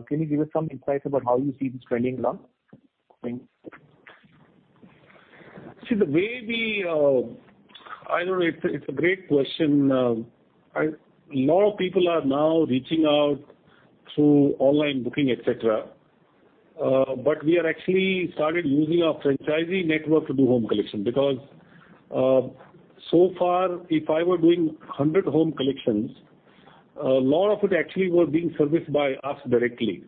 Can you give us some insights about how you see this trending along? Thanks. See, it's a great question. A lot of people are now reaching out through online booking, et cetera. We are actually started using our franchisee network to do home collection because so far if I were doing 100 home collections, a lot of it actually was being serviced by us directly.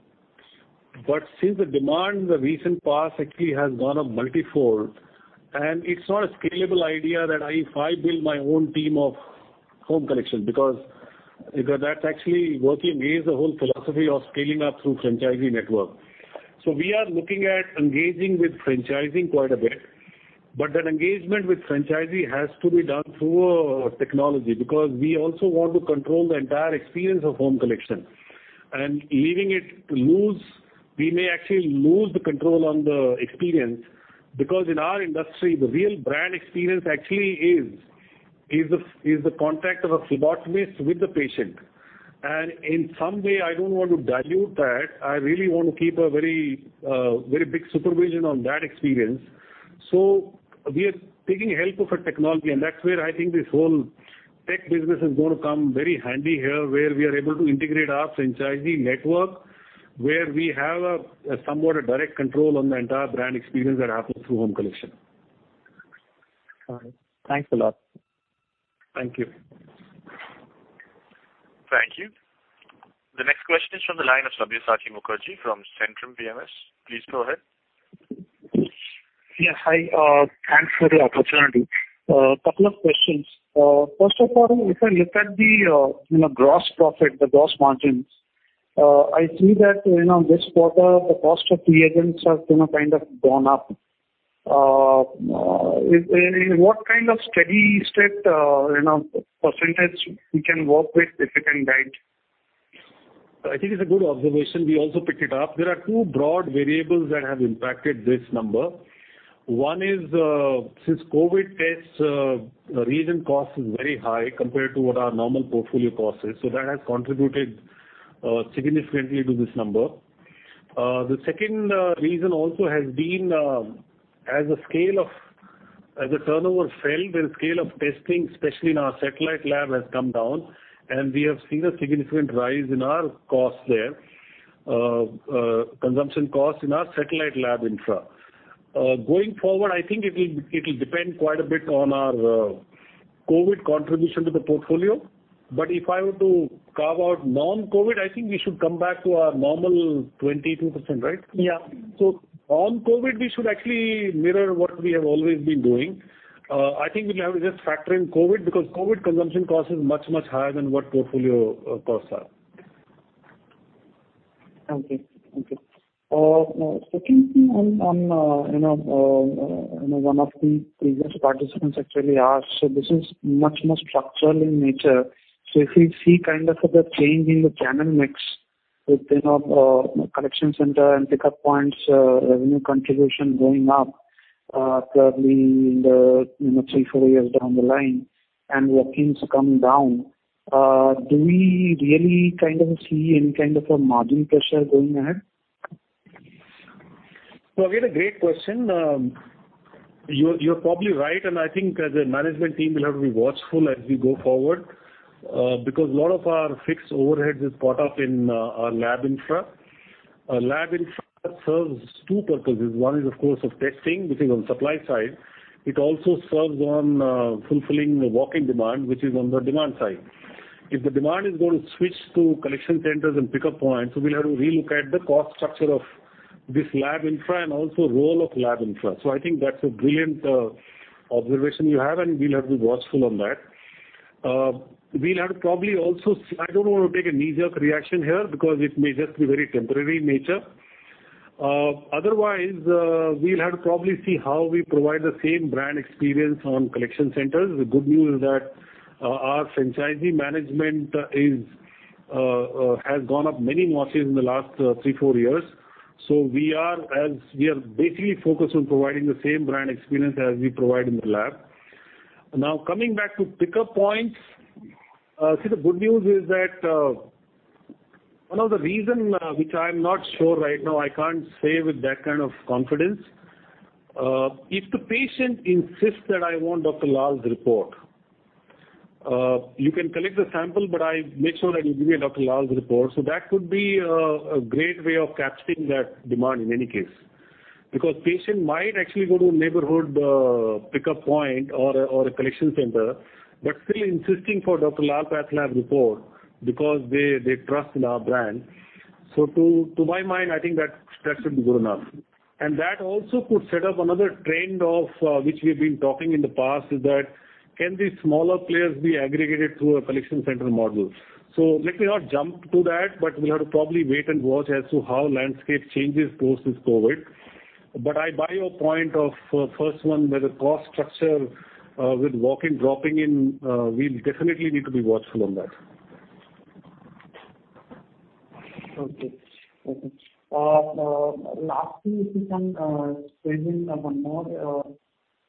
Since the demand in the recent past actually has gone up multi-fold, and it's not a scalable idea that if I build my own team of home collection, because that's actually working against the whole philosophy of scaling up through franchisee network. We are looking at engaging with franchising quite a bit, but that engagement with franchisee has to be done through a technology, because we also want to control the entire experience of home collection. Leaving it to lose, we may actually lose the control on the experience, because in our industry, the real brand experience actually is the contact of a phlebotomist with the patient. In some way, I don't want to dilute that. I really want to keep a very big supervision on that experience. We are taking help of a technology, and that's where I think this whole tech business is going to come very handy here, where we are able to integrate our franchisee network, where we have a somewhat a direct control on the entire brand experience that happens through home collection. Got it. Thanks a lot. Thank you. Thank you. The next question is from the line of Sabyasachi Mukerji from Centrum PMS. Please go ahead. Yes. Hi. Thanks for the opportunity. Couple of questions. First of all, if I look at the gross profit, the gross margins, I see that in this quarter, the cost of reagents has kind of gone up. What kind of steady state percentage we can work with, if you can guide? I think it's a good observation. We also picked it up. There are two broad variables that have impacted this number. One is, since COVID tests, reagent cost is very high compared to what our normal portfolio cost is. That has contributed significantly to this number. The second reason also has been as the turnover fell, the scale of testing, especially in our satellite lab, has come down, and we have seen a significant rise in our costs there, consumption costs in our satellite lab infra. Going forward, I think it'll depend quite a bit on our COVID contribution to the portfolio. If I were to carve out non-COVID, I think we should come back to our normal 22%, right? Yeah. On COVID, we should actually mirror what we have always been doing. I think we'll have to just factor in COVID, because COVID consumption cost is much, much higher than what portfolio costs are. Okay. Second thing on one of the previous participants actually asked, this is much more structural in nature. If we see kind of the change in the channel mix with collection center and pickup points revenue contribution going up, probably in the three, four years down the line, and walk-ins come down, do we really see any kind of a margin pressure going ahead? Again, a great question. You're probably right, and I think the management team will have to be watchful as we go forward, because a lot of our fixed overhead is caught up in our lab infra. Our lab infra serves two purposes. One is, of course, of testing, which is on supply side. It also serves on fulfilling the walk-in demand, which is on the demand side. If the demand is going to switch to collection centers and pickup points, we'll have to re-look at the cost structure of this lab infra and also role of lab infra. I think that's a brilliant observation you have, and we'll have to be watchful on that. I don't want to take an knee-jerk reaction here, because it may just be very temporary in nature. Otherwise, we'll have to probably see how we provide the same brand experience on collection centers. The good news is that our franchisee management has gone up many notches in the last three, four years. We are basically focused on providing the same brand experience as we provide in the lab. Coming back to pickup points, see, the good news is that one of the reason which I'm not sure right now, I can't say with that kind of confidence. If the patient insists that, "I want Dr. Lal's report. You can collect the sample, but make sure that you give me a Dr. Lal's report." That could be a great way of capturing that demand in any case. Patient might actually go to a neighborhood pickup point or a collection center, but still insisting for Dr. Lal PathLabs report because they trust in our brand. To my mind, I think that should be good enough. That also could set up another trend of which we've been talking in the past, is that can these smaller players be aggregated through a collection center model? Let me not jump to that, but we'll have to probably wait and watch as to how landscape changes post this COVID. I buy your point of first one, where the cost structure with walk-in dropping in, we'll definitely need to be watchful on that. Okay. Lastly, if you can squeeze in one more.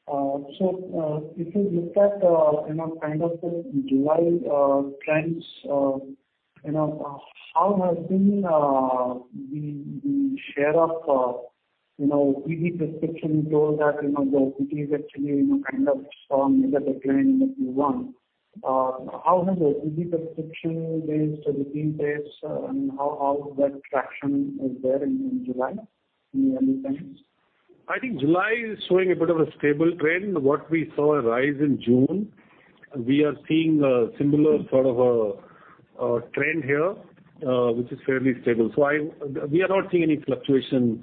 If you look at kind of the July trends, how has been the share of e-prescription drove that, the 50% is actually kind of strong, is that the trend in Q1? How has the e-prescription based routine tests and how that traction is there in July in early times? I think July is showing a bit of a stable trend. What we saw a rise in June, we are seeing a similar sort of a trend here, which is fairly stable. We are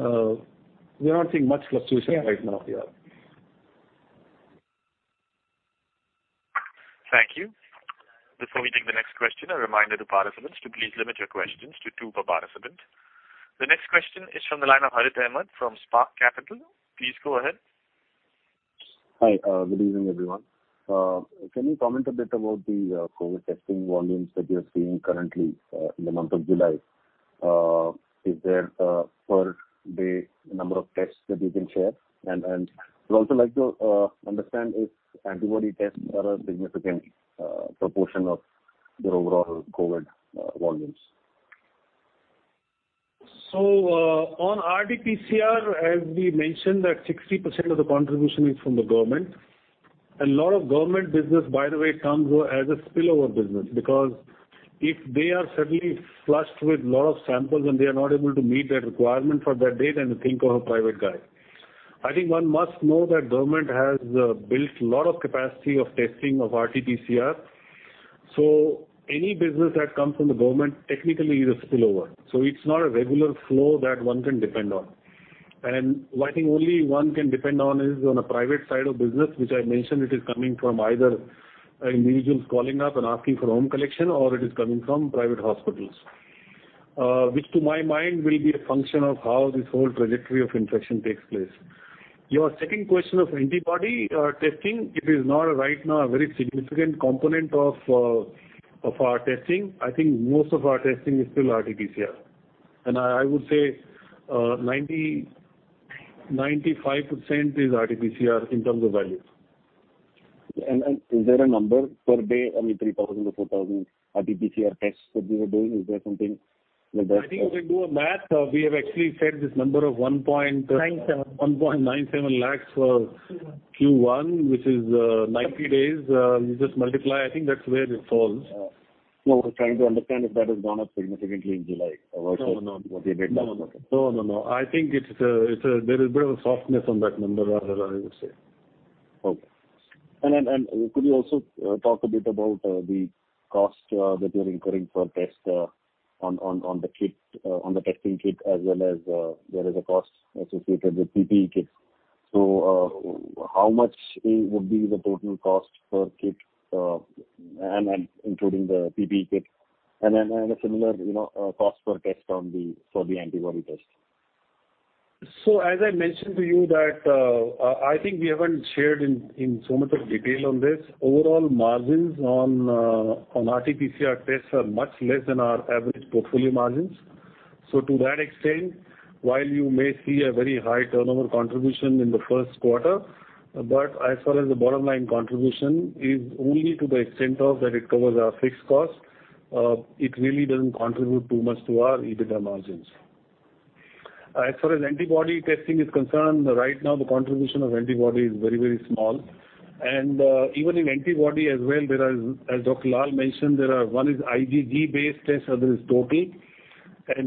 not seeing much fluctuation right now here. Thank you. Before we take the next question, a reminder to participants to please limit your questions to two per participant. The next question is from the line of Harith Ahamed from Spark Capital. Please go ahead. Hi. Good evening, everyone. Can you comment a bit about the COVID testing volumes that you're seeing currently in the month of July? Is there a per-day number of tests that you can share? Would also like to understand if antibody tests are a significant proportion of your overall COVID volumes. On RT-PCR, as we mentioned, that 60% of the contribution is from the government. A lot of government business, by the way, comes as a spillover business. If they are suddenly flushed with lot of samples and they are not able to meet that requirement for that date, then they think of a private guy. I think one must know that government has built lot of capacity of testing of RT-PCR. Any business that comes from the government technically is a spillover. It's not a regular flow that one can depend on. I think only one can depend on is on a private side of business, which I mentioned, it is coming from either individuals calling up and asking for home collection, or it is coming from private hospitals. Which to my mind, will be a function of how this whole trajectory of infection takes place. Your second question of antibody testing, it is not right now a very significant component of our testing. I think most of our testing is still RT-PCR. I would say 95% is RT-PCR in terms of value. Is there a number per day? I mean, 3,000 to 4,000 RT-PCR tests that we are doing. Is there something like that? I think we can do a math. We have actually said this number. 197,000 tests for Q1, which is 90 days. You just multiply. I think that's where it falls. No, I was trying to understand if that has gone up significantly in July. No. Or the bit that- No. I think there is a bit of a softness on that number, rather, I would say. Okay. Could you also talk a bit about the cost that you're incurring for test on the testing kit, as well as there is a cost associated with PPE kits. How much would be the total cost per kit and including the PPE kit and a similar cost per test for the antibody test? As I mentioned to you that, I think we haven't shared in so much of detail on this. Overall margins on RT-PCR tests are much less than our average portfolio margins. To that extent, while you may see a very high turnover contribution in the first quarter, but as far as the bottom line contribution is only to the extent of that it covers our fixed cost. It really doesn't contribute too much to our EBITDA margins. As far as antibody testing is concerned, right now the contribution of antibody is very small. Even in antibody as well, as Dr. Lal mentioned, one is IgG-based test, other is total.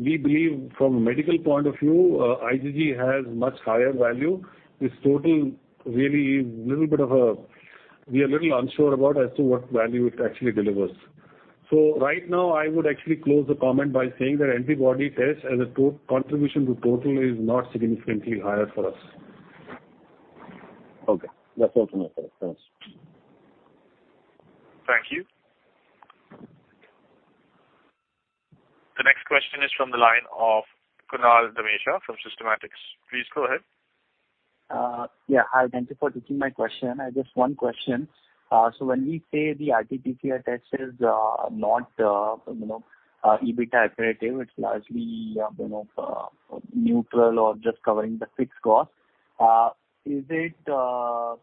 We believe from a medical point of view, IgG has much higher value. This total, we are a little unsure about as to what value it actually delivers. Right now, I would actually close the comment by saying that antibody test as a contribution to total is not significantly higher for us. Okay. That's all from my side. Thanks. Thank you. The next question is from the line of Kunal Dhamesha from Systematix. Please go ahead. Yeah. Hi. Thank you for taking my question. I have just one question. When we say the RT-PCR test is not EBITDA accretive, it's largely neutral or just covering the fixed cost. Is it the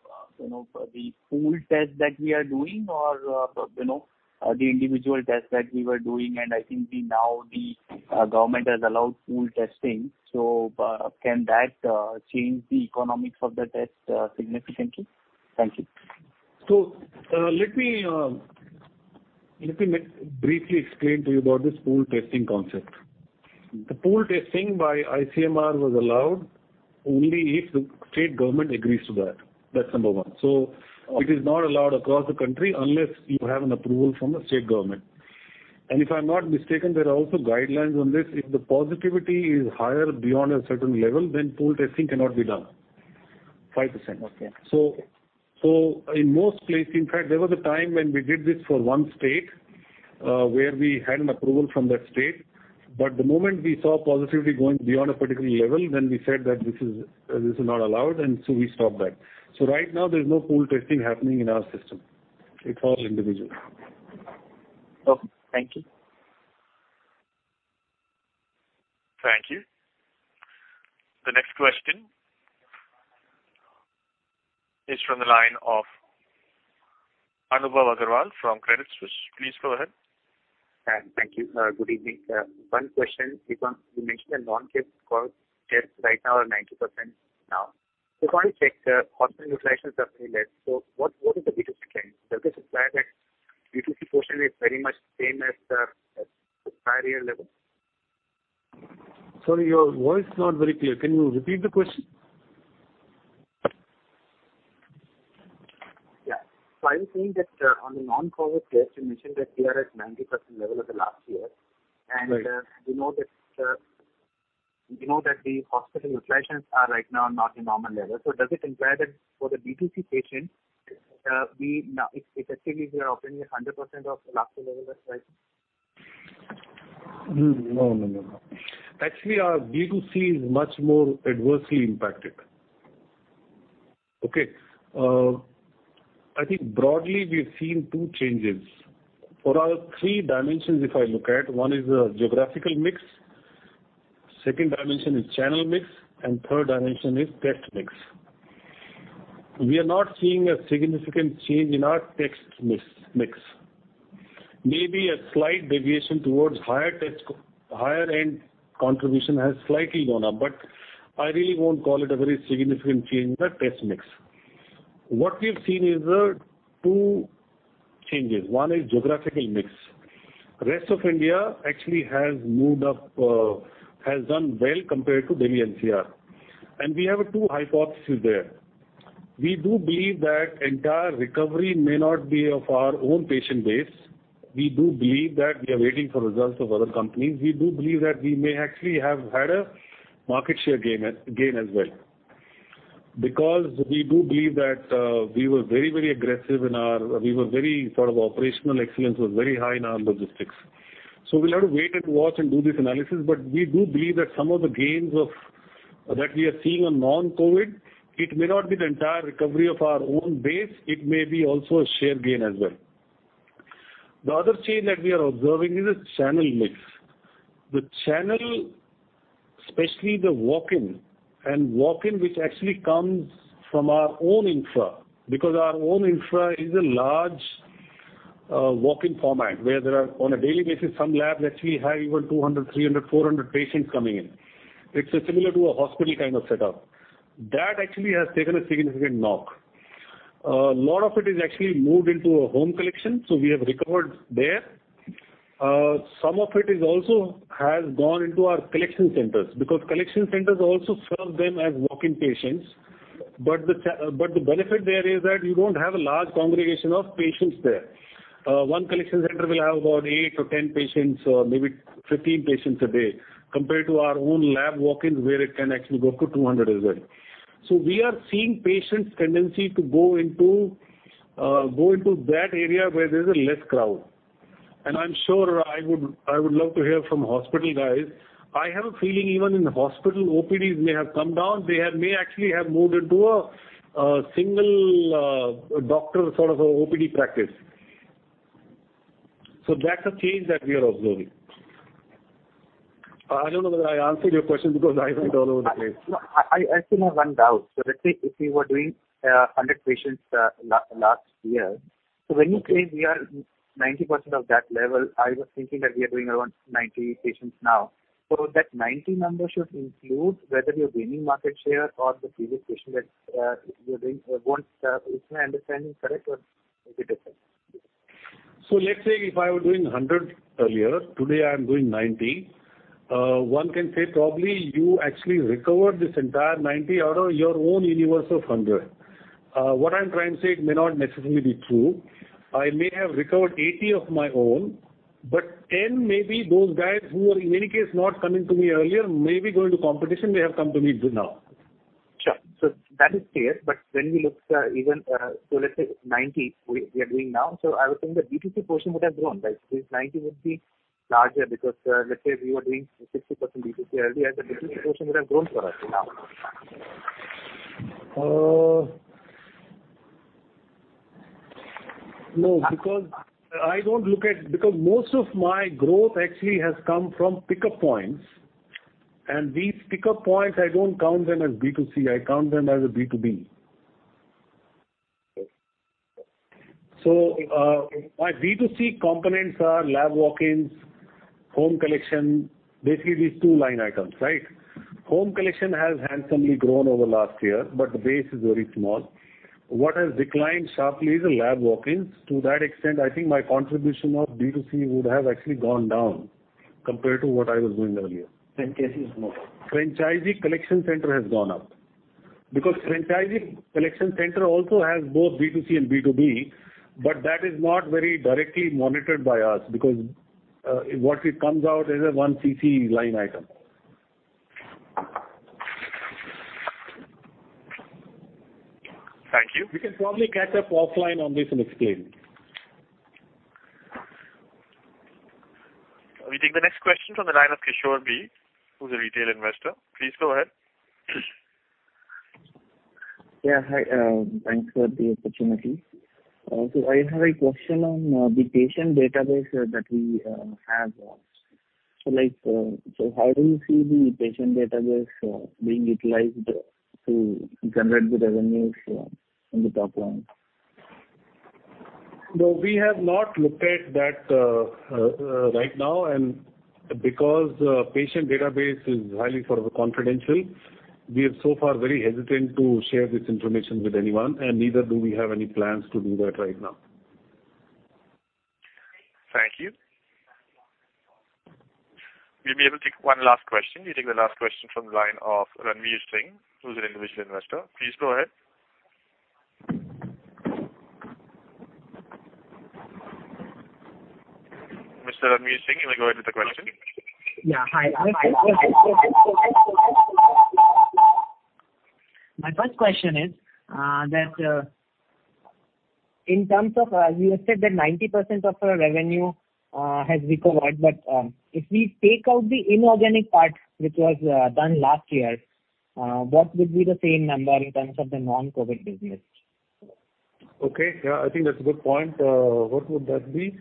pool test that we are doing or the individual test that we were doing, and I think now the government has allowed pool testing. Can that change the economics of the test significantly? Thank you. Let me briefly explain to you about this pool testing concept. The pool testing by ICMR was allowed only if the state government agrees to that. That's number one. It is not allowed across the country unless you have an approval from the state government. If I'm not mistaken, there are also guidelines on this. If the positivity is higher beyond a certain level, then pool testing cannot be done. 5%. Okay. In most places, in fact, there was a time when we did this for one state, where we had an approval from that state. The moment we saw positivity going beyond a particular level, then we said that this is not allowed, and so we stopped that. Right now, there's no pool testing happening in our system. It's all individual. Okay. Thank you. Thank you. The next question is from the line of Anubhav Aggarwal from Credit Suisse. Please go ahead. Thank you. Good evening. One question, Om Prakash, you mentioned the non-COVID tests right now are 90% now. Just want to check, hospital utilizations are pretty less. What is the B2C trend? Does it imply that B2C portion is very much same as the prior year level? Sorry, your voice is not very clear. Can you repeat the question? Yeah. I was saying that on the non-COVID test, you mentioned that we are at 90% level of the last year. Right. We know that the hospital utilizations are right now not in normal level. Does it imply that for the B2C patient, effectively, we are operating at 100% of last year level that's why? No. Actually, our B2C is much more adversely impacted. Okay. I think broadly, we've seen two changes. For our three dimensions, if I look at, one is geographical mix, second dimension is channel mix, and third dimension is test mix. We are not seeing a significant change in our test mix. Maybe a slight deviation towards higher end contribution has slightly gone up, but I really won't call it a very significant change in the test mix. What we've seen is two changes. One is geographical mix. Rest of India actually has done well compared to Delhi NCR. We have a two hypothesis there. We do believe that entire recovery may not be of our own patient base. We do believe that we are waiting for results of other companies. We do believe that we may actually have had a market share gain as well. We do believe that we were very aggressive and our operational excellence was very high in our logistics. We'll have to wait and watch and do this analysis. We do believe that some of the gains that we are seeing on non-COVID, it may not be the entire recovery of our own base. It may be also a share gain as well. The other change that we are observing is the channel mix. The channel, especially the walk-in, and walk-in which actually comes from our own infra, because our own infra is a large walk-in format, where there are, on a daily basis, some labs actually have even 200, 300, 400 patients coming in. It's similar to a hospital kind of setup. That actually has taken a significant knock. A lot of it is actually moved into a home collection, we have recovered there. Some of it also has gone into our collection centers, because collection centers also serve them as walk-in patients. The benefit there is that you don't have a large congregation of patients there. One collection center will have about eight to 10 patients or maybe 15 patients a day, compared to our own lab walk-ins, where it can actually go up to 200 as well. We are seeing patients' tendency to go into that area where there's less crowd. I'm sure I would love to hear from hospital guys. I have a feeling even in hospital, OPDs may have come down. They may actually have moved into a single doctor sort of OPD practice. That's a change that we are observing. I don't know whether I answered your question because I went all over the place. No, I still have one doubt. Let's say if we were doing 100 patients last year, so when you say we are 90% of that level, I was thinking that we are doing around 90 patients now. That 90 number should include whether you're gaining market share or the previous patient that you're doing once. Is my understanding correct or is it different? Let's say if I were doing 100 earlier, today I'm doing 90. One can say probably you actually recovered this entire 90 out of your own universe of 100. What I'm trying to say, it may not necessarily be true. I may have recovered 80 of my own, but 10 maybe those guys who were in any case not coming to me earlier, maybe going to competition, may have come to me now. Sure. That is clear. When we look, let's say 90 we are doing now. I was saying the B2C portion would have grown, right? This 90 would be larger because let's say we were doing 60% B2C earlier, the B2C portion would have grown for us now. No, because most of my growth actually has come from pickup points. These pickup points, I don't count them as B2C, I count them as a B2B. Okay. My B2C components are lab walk-ins, home collection, basically these two line items, right? Home collection has handsomely grown over last year, but the base is very small. What has declined sharply is the lab walk-ins. To that extent, I think my contribution of B2C would have actually gone down compared to what I was doing earlier. Franchisee is more. Franchisee collection center has gone up. Franchisee collection center also has both B2C and B2B, but that is not very directly monitored by us because what it comes out is a one CC line item. Thank you. We can probably catch up offline on this and explain. We take the next question from the line of Kishore B., who is a retail investor. Please go ahead. Yeah, hi. Thanks for the opportunity. I have a question on the patient database that we have. How do you see the patient database being utilized to generate the revenues on the top line? No, we have not looked at that right now. Because patient database is highly confidential, we are so far very hesitant to share this information with anyone. Neither do we have any plans to do that right now. Thank you. We'll be able to take one last question. We take the last question from the line of Ranvir Singh, who's an individual investor. Please go ahead. Mr. Ranvir Singh, you may go ahead with the question. Yeah, hi. My first question is that in terms of, you have said that 90% of our revenue has recovered, but if we take out the inorganic part, which was done last year, what would be the same number in terms of the non-COVID business? Okay. Yeah, I think that's a good point. What would that be?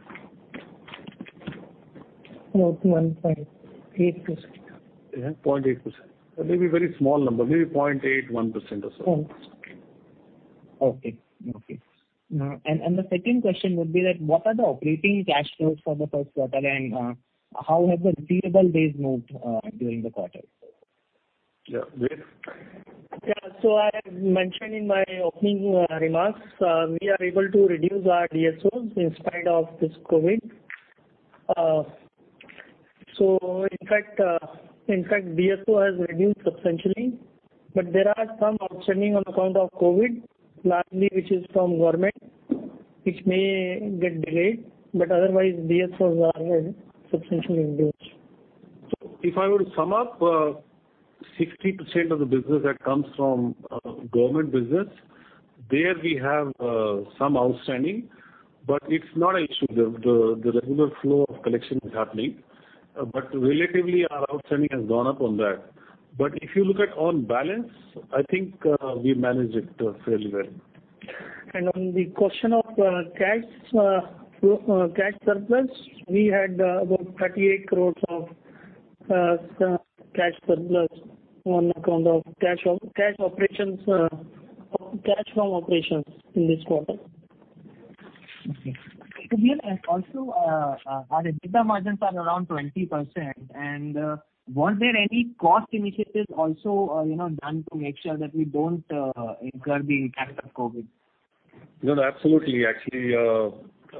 About 1.8%. Yeah, 0.8%. Maybe a very small number, maybe 0.8, 1% or so. Okay. The second question would be that what are the operating cash flows for the first quarter and how have the payable days moved during the quarter? Yeah. Ved? I mentioned in my opening remarks, we are able to reduce our DSOs in spite of this COVID. In fact, DSO has reduced substantially, but there are some outstanding on account of COVID, largely which is from government, which may get delayed. Otherwise, DSOs are substantially reduced. If I were to sum up, 60% of the business that comes from government business, there we have some outstanding, but it is not an issue. The regular flow of collection is happening. Relatively, our outstanding has gone up on that. If you look at on balance, I think we managed it fairly well. On the question of cash surplus, we had about 38 crores of cash surplus on account of cash from operations in this quarter. Okay. Also, our EBITDA margins are around 20%, and was there any cost initiatives also done to make sure that we don't incur the impact of COVID? No, absolutely. Actually, a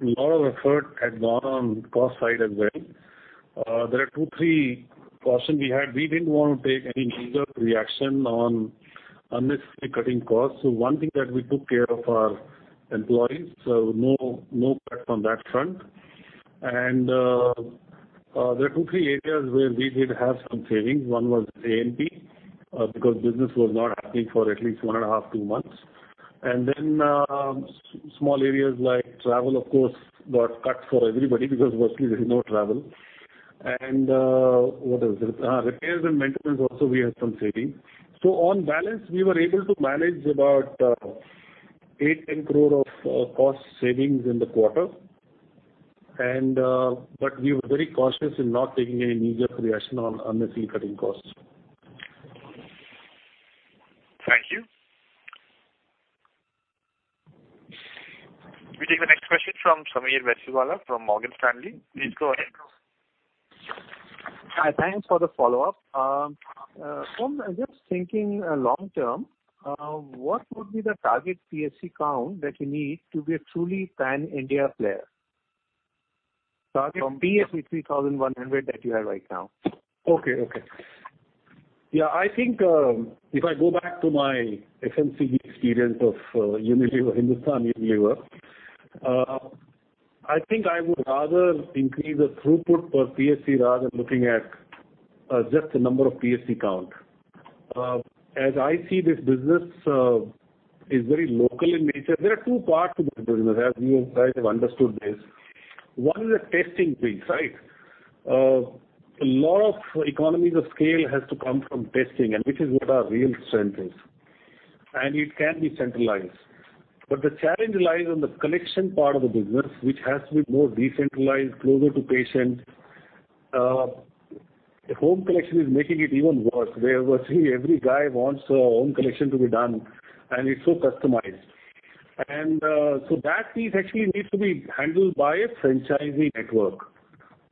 lot of effort had gone on cost side as well. There are two, three caution we had. We didn't want to take any knee-jerk reaction on unnecessarily cutting costs. One thing that we took care of our employees, so no cut on that front. There are two, three areas where we did have some savings. One was A&P, because business was not happening for at least one and a half, two months. Small areas like travel, of course, got cut for everybody because virtually there is no travel. What else? repairs and maintenance also, we had some saving. On balance, we were able to manage about INR eight, 10 crore of cost savings in the quarter. We were very cautious in not taking any knee-jerk reaction on unnecessarily cutting costs. Thank you. We take the next question from Sameer Baisiwala from Morgan Stanley. Please go ahead. Hi, thanks for the follow-up. Om, I'm just thinking long-term, what would be the target PSC count that you need to be a truly pan-India player? From- PSC 3,100 that you have right now. Okay. Yeah, I think, if I go back to my FMCG experience of Hindustan Unilever, I think I would rather increase the throughput per PSC rather than looking at just the number of PSC count. I see this business is very local in nature. There are two parts to this business, as you and I have understood this. One is the testing piece. A lot of economies of scale has to come from testing, which is what our real strength is. It can be centralized. The challenge lies on the collection part of the business, which has to be more decentralized, closer to patients. Home collection is making it even worse, where virtually every guy wants a home collection to be done, and it's so customized. That piece actually needs to be handled by a franchisee network.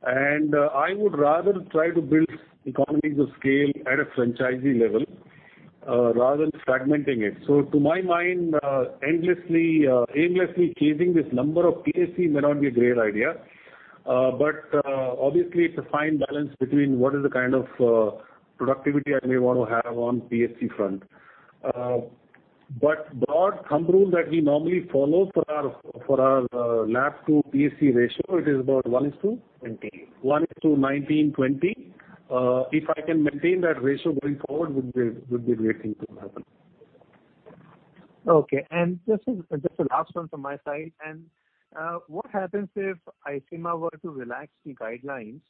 I would rather try to build economies of scale at a franchisee level, rather than fragmenting it. To my mind, aimlessly chasing this number of PSC may not be a great idea. Obviously, it's a fine balance between what is the kind of productivity I may want to have on PSC front. Broad thumb rule that we normally follow for our lab-to-PSC ratio, it is about one is to 19, 20. If I can maintain that ratio going forward, would be a great thing to happen. Okay. Just a last one from my side. What happens if ICMR were to relax the guidelines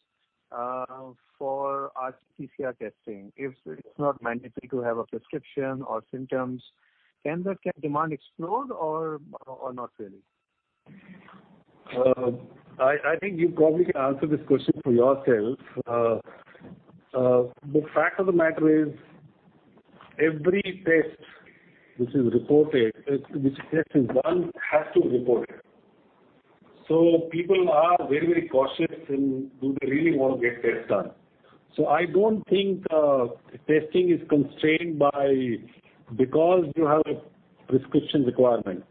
for RT-PCR testing? If it's not mandatory to have a prescription or symptoms, can demand explode or not really? I think you probably can answer this question for yourself. The fact of the matter is, every test which is done has to be reported. People are very cautious, and do they really want to get tests done? I don't think testing is constrained because you have a prescription requirement.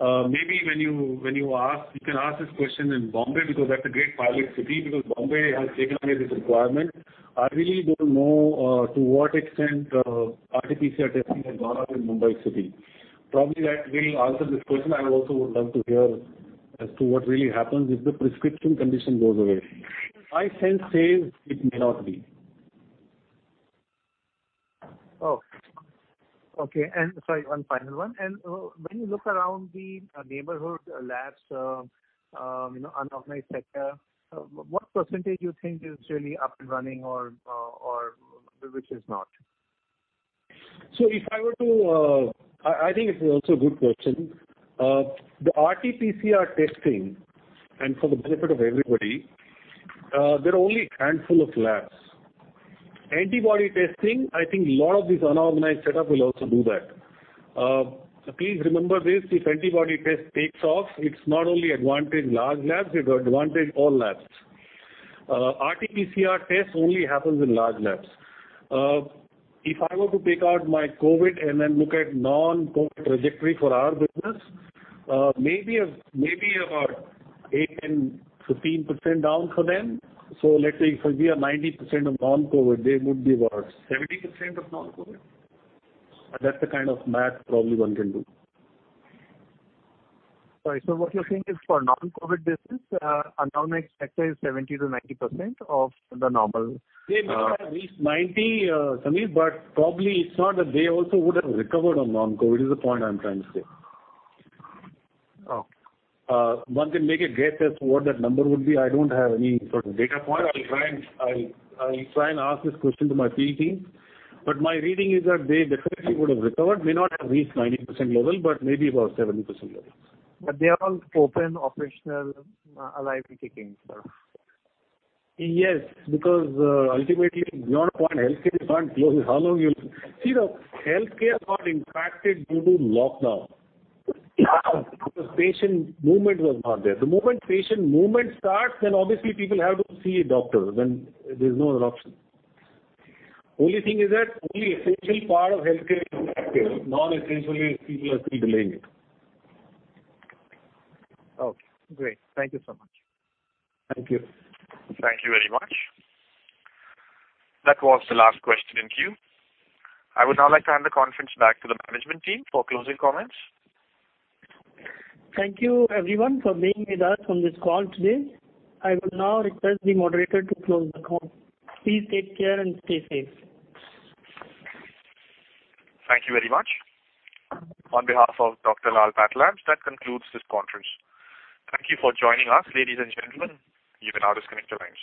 Maybe you can ask this question in Bombay, because that's a great pilot city, because Bombay has taken away this requirement. I really don't know to what extent RT-PCR testing has gone up in Mumbai city. That will answer this question. I also would love to hear as to what really happens if the prescription condition goes away. My sense says it may not be. Oh, okay. Sorry, one final one. When you look around the neighborhood labs, unorganized sector, what percentage you think is really up and running or which is not? I think it's also a good question. The RT-PCR testing, and for the benefit of everybody, there are only a handful of labs. Antibody testing, I think lot of these unorganized setup will also do that. Please remember this, if antibody test takes off, it's not only advantage large labs, it advantage all labs. RT-PCR test only happens in large labs. If I were to take out my COVID and then look at non-COVID trajectory for our business, maybe about 8%, 10%, 15% down for them. Let's say if we are 90% of non-COVID, they would be about 70% of non-COVID. That's the kind of math probably one can do. Sorry. What you're saying is for non-COVID business, unorganized sector is 70%-90% of the normal- They may not have reached 90%, Sameer, probably it's not that they also would have recovered on non-COVID, is the point I'm trying to say. Okay. One can make a guess as to what that number would be. I don't have any sort of data point. I'll try and ask this question to my field team. My reading is that they definitely would have recovered, may not have reached 90% level, but maybe about 70% levels. They are all open, operational, alive and kicking, sir. Yes, because ultimately, beyond a point, healthcare you can't close. See, the healthcare got impacted due to lockdown. Yeah. Patient movement was not there. The moment patient movement starts, then obviously people have to see a doctor, then there's no other option. Only thing is that only essential part of healthcare is active. Non-essential, people are still delaying it. Okay, great. Thank you so much. Thank you. Thank you very much. That was the last question in queue. I would now like to hand the conference back to the management team for closing comments. Thank you everyone for being with us on this call today. I will now request the moderator to close the call. Please take care and stay safe. Thank you very much. On behalf of Dr. Lal PathLabs, that concludes this conference. Thank you for joining us, ladies and gentlemen. You can now disconnect your lines.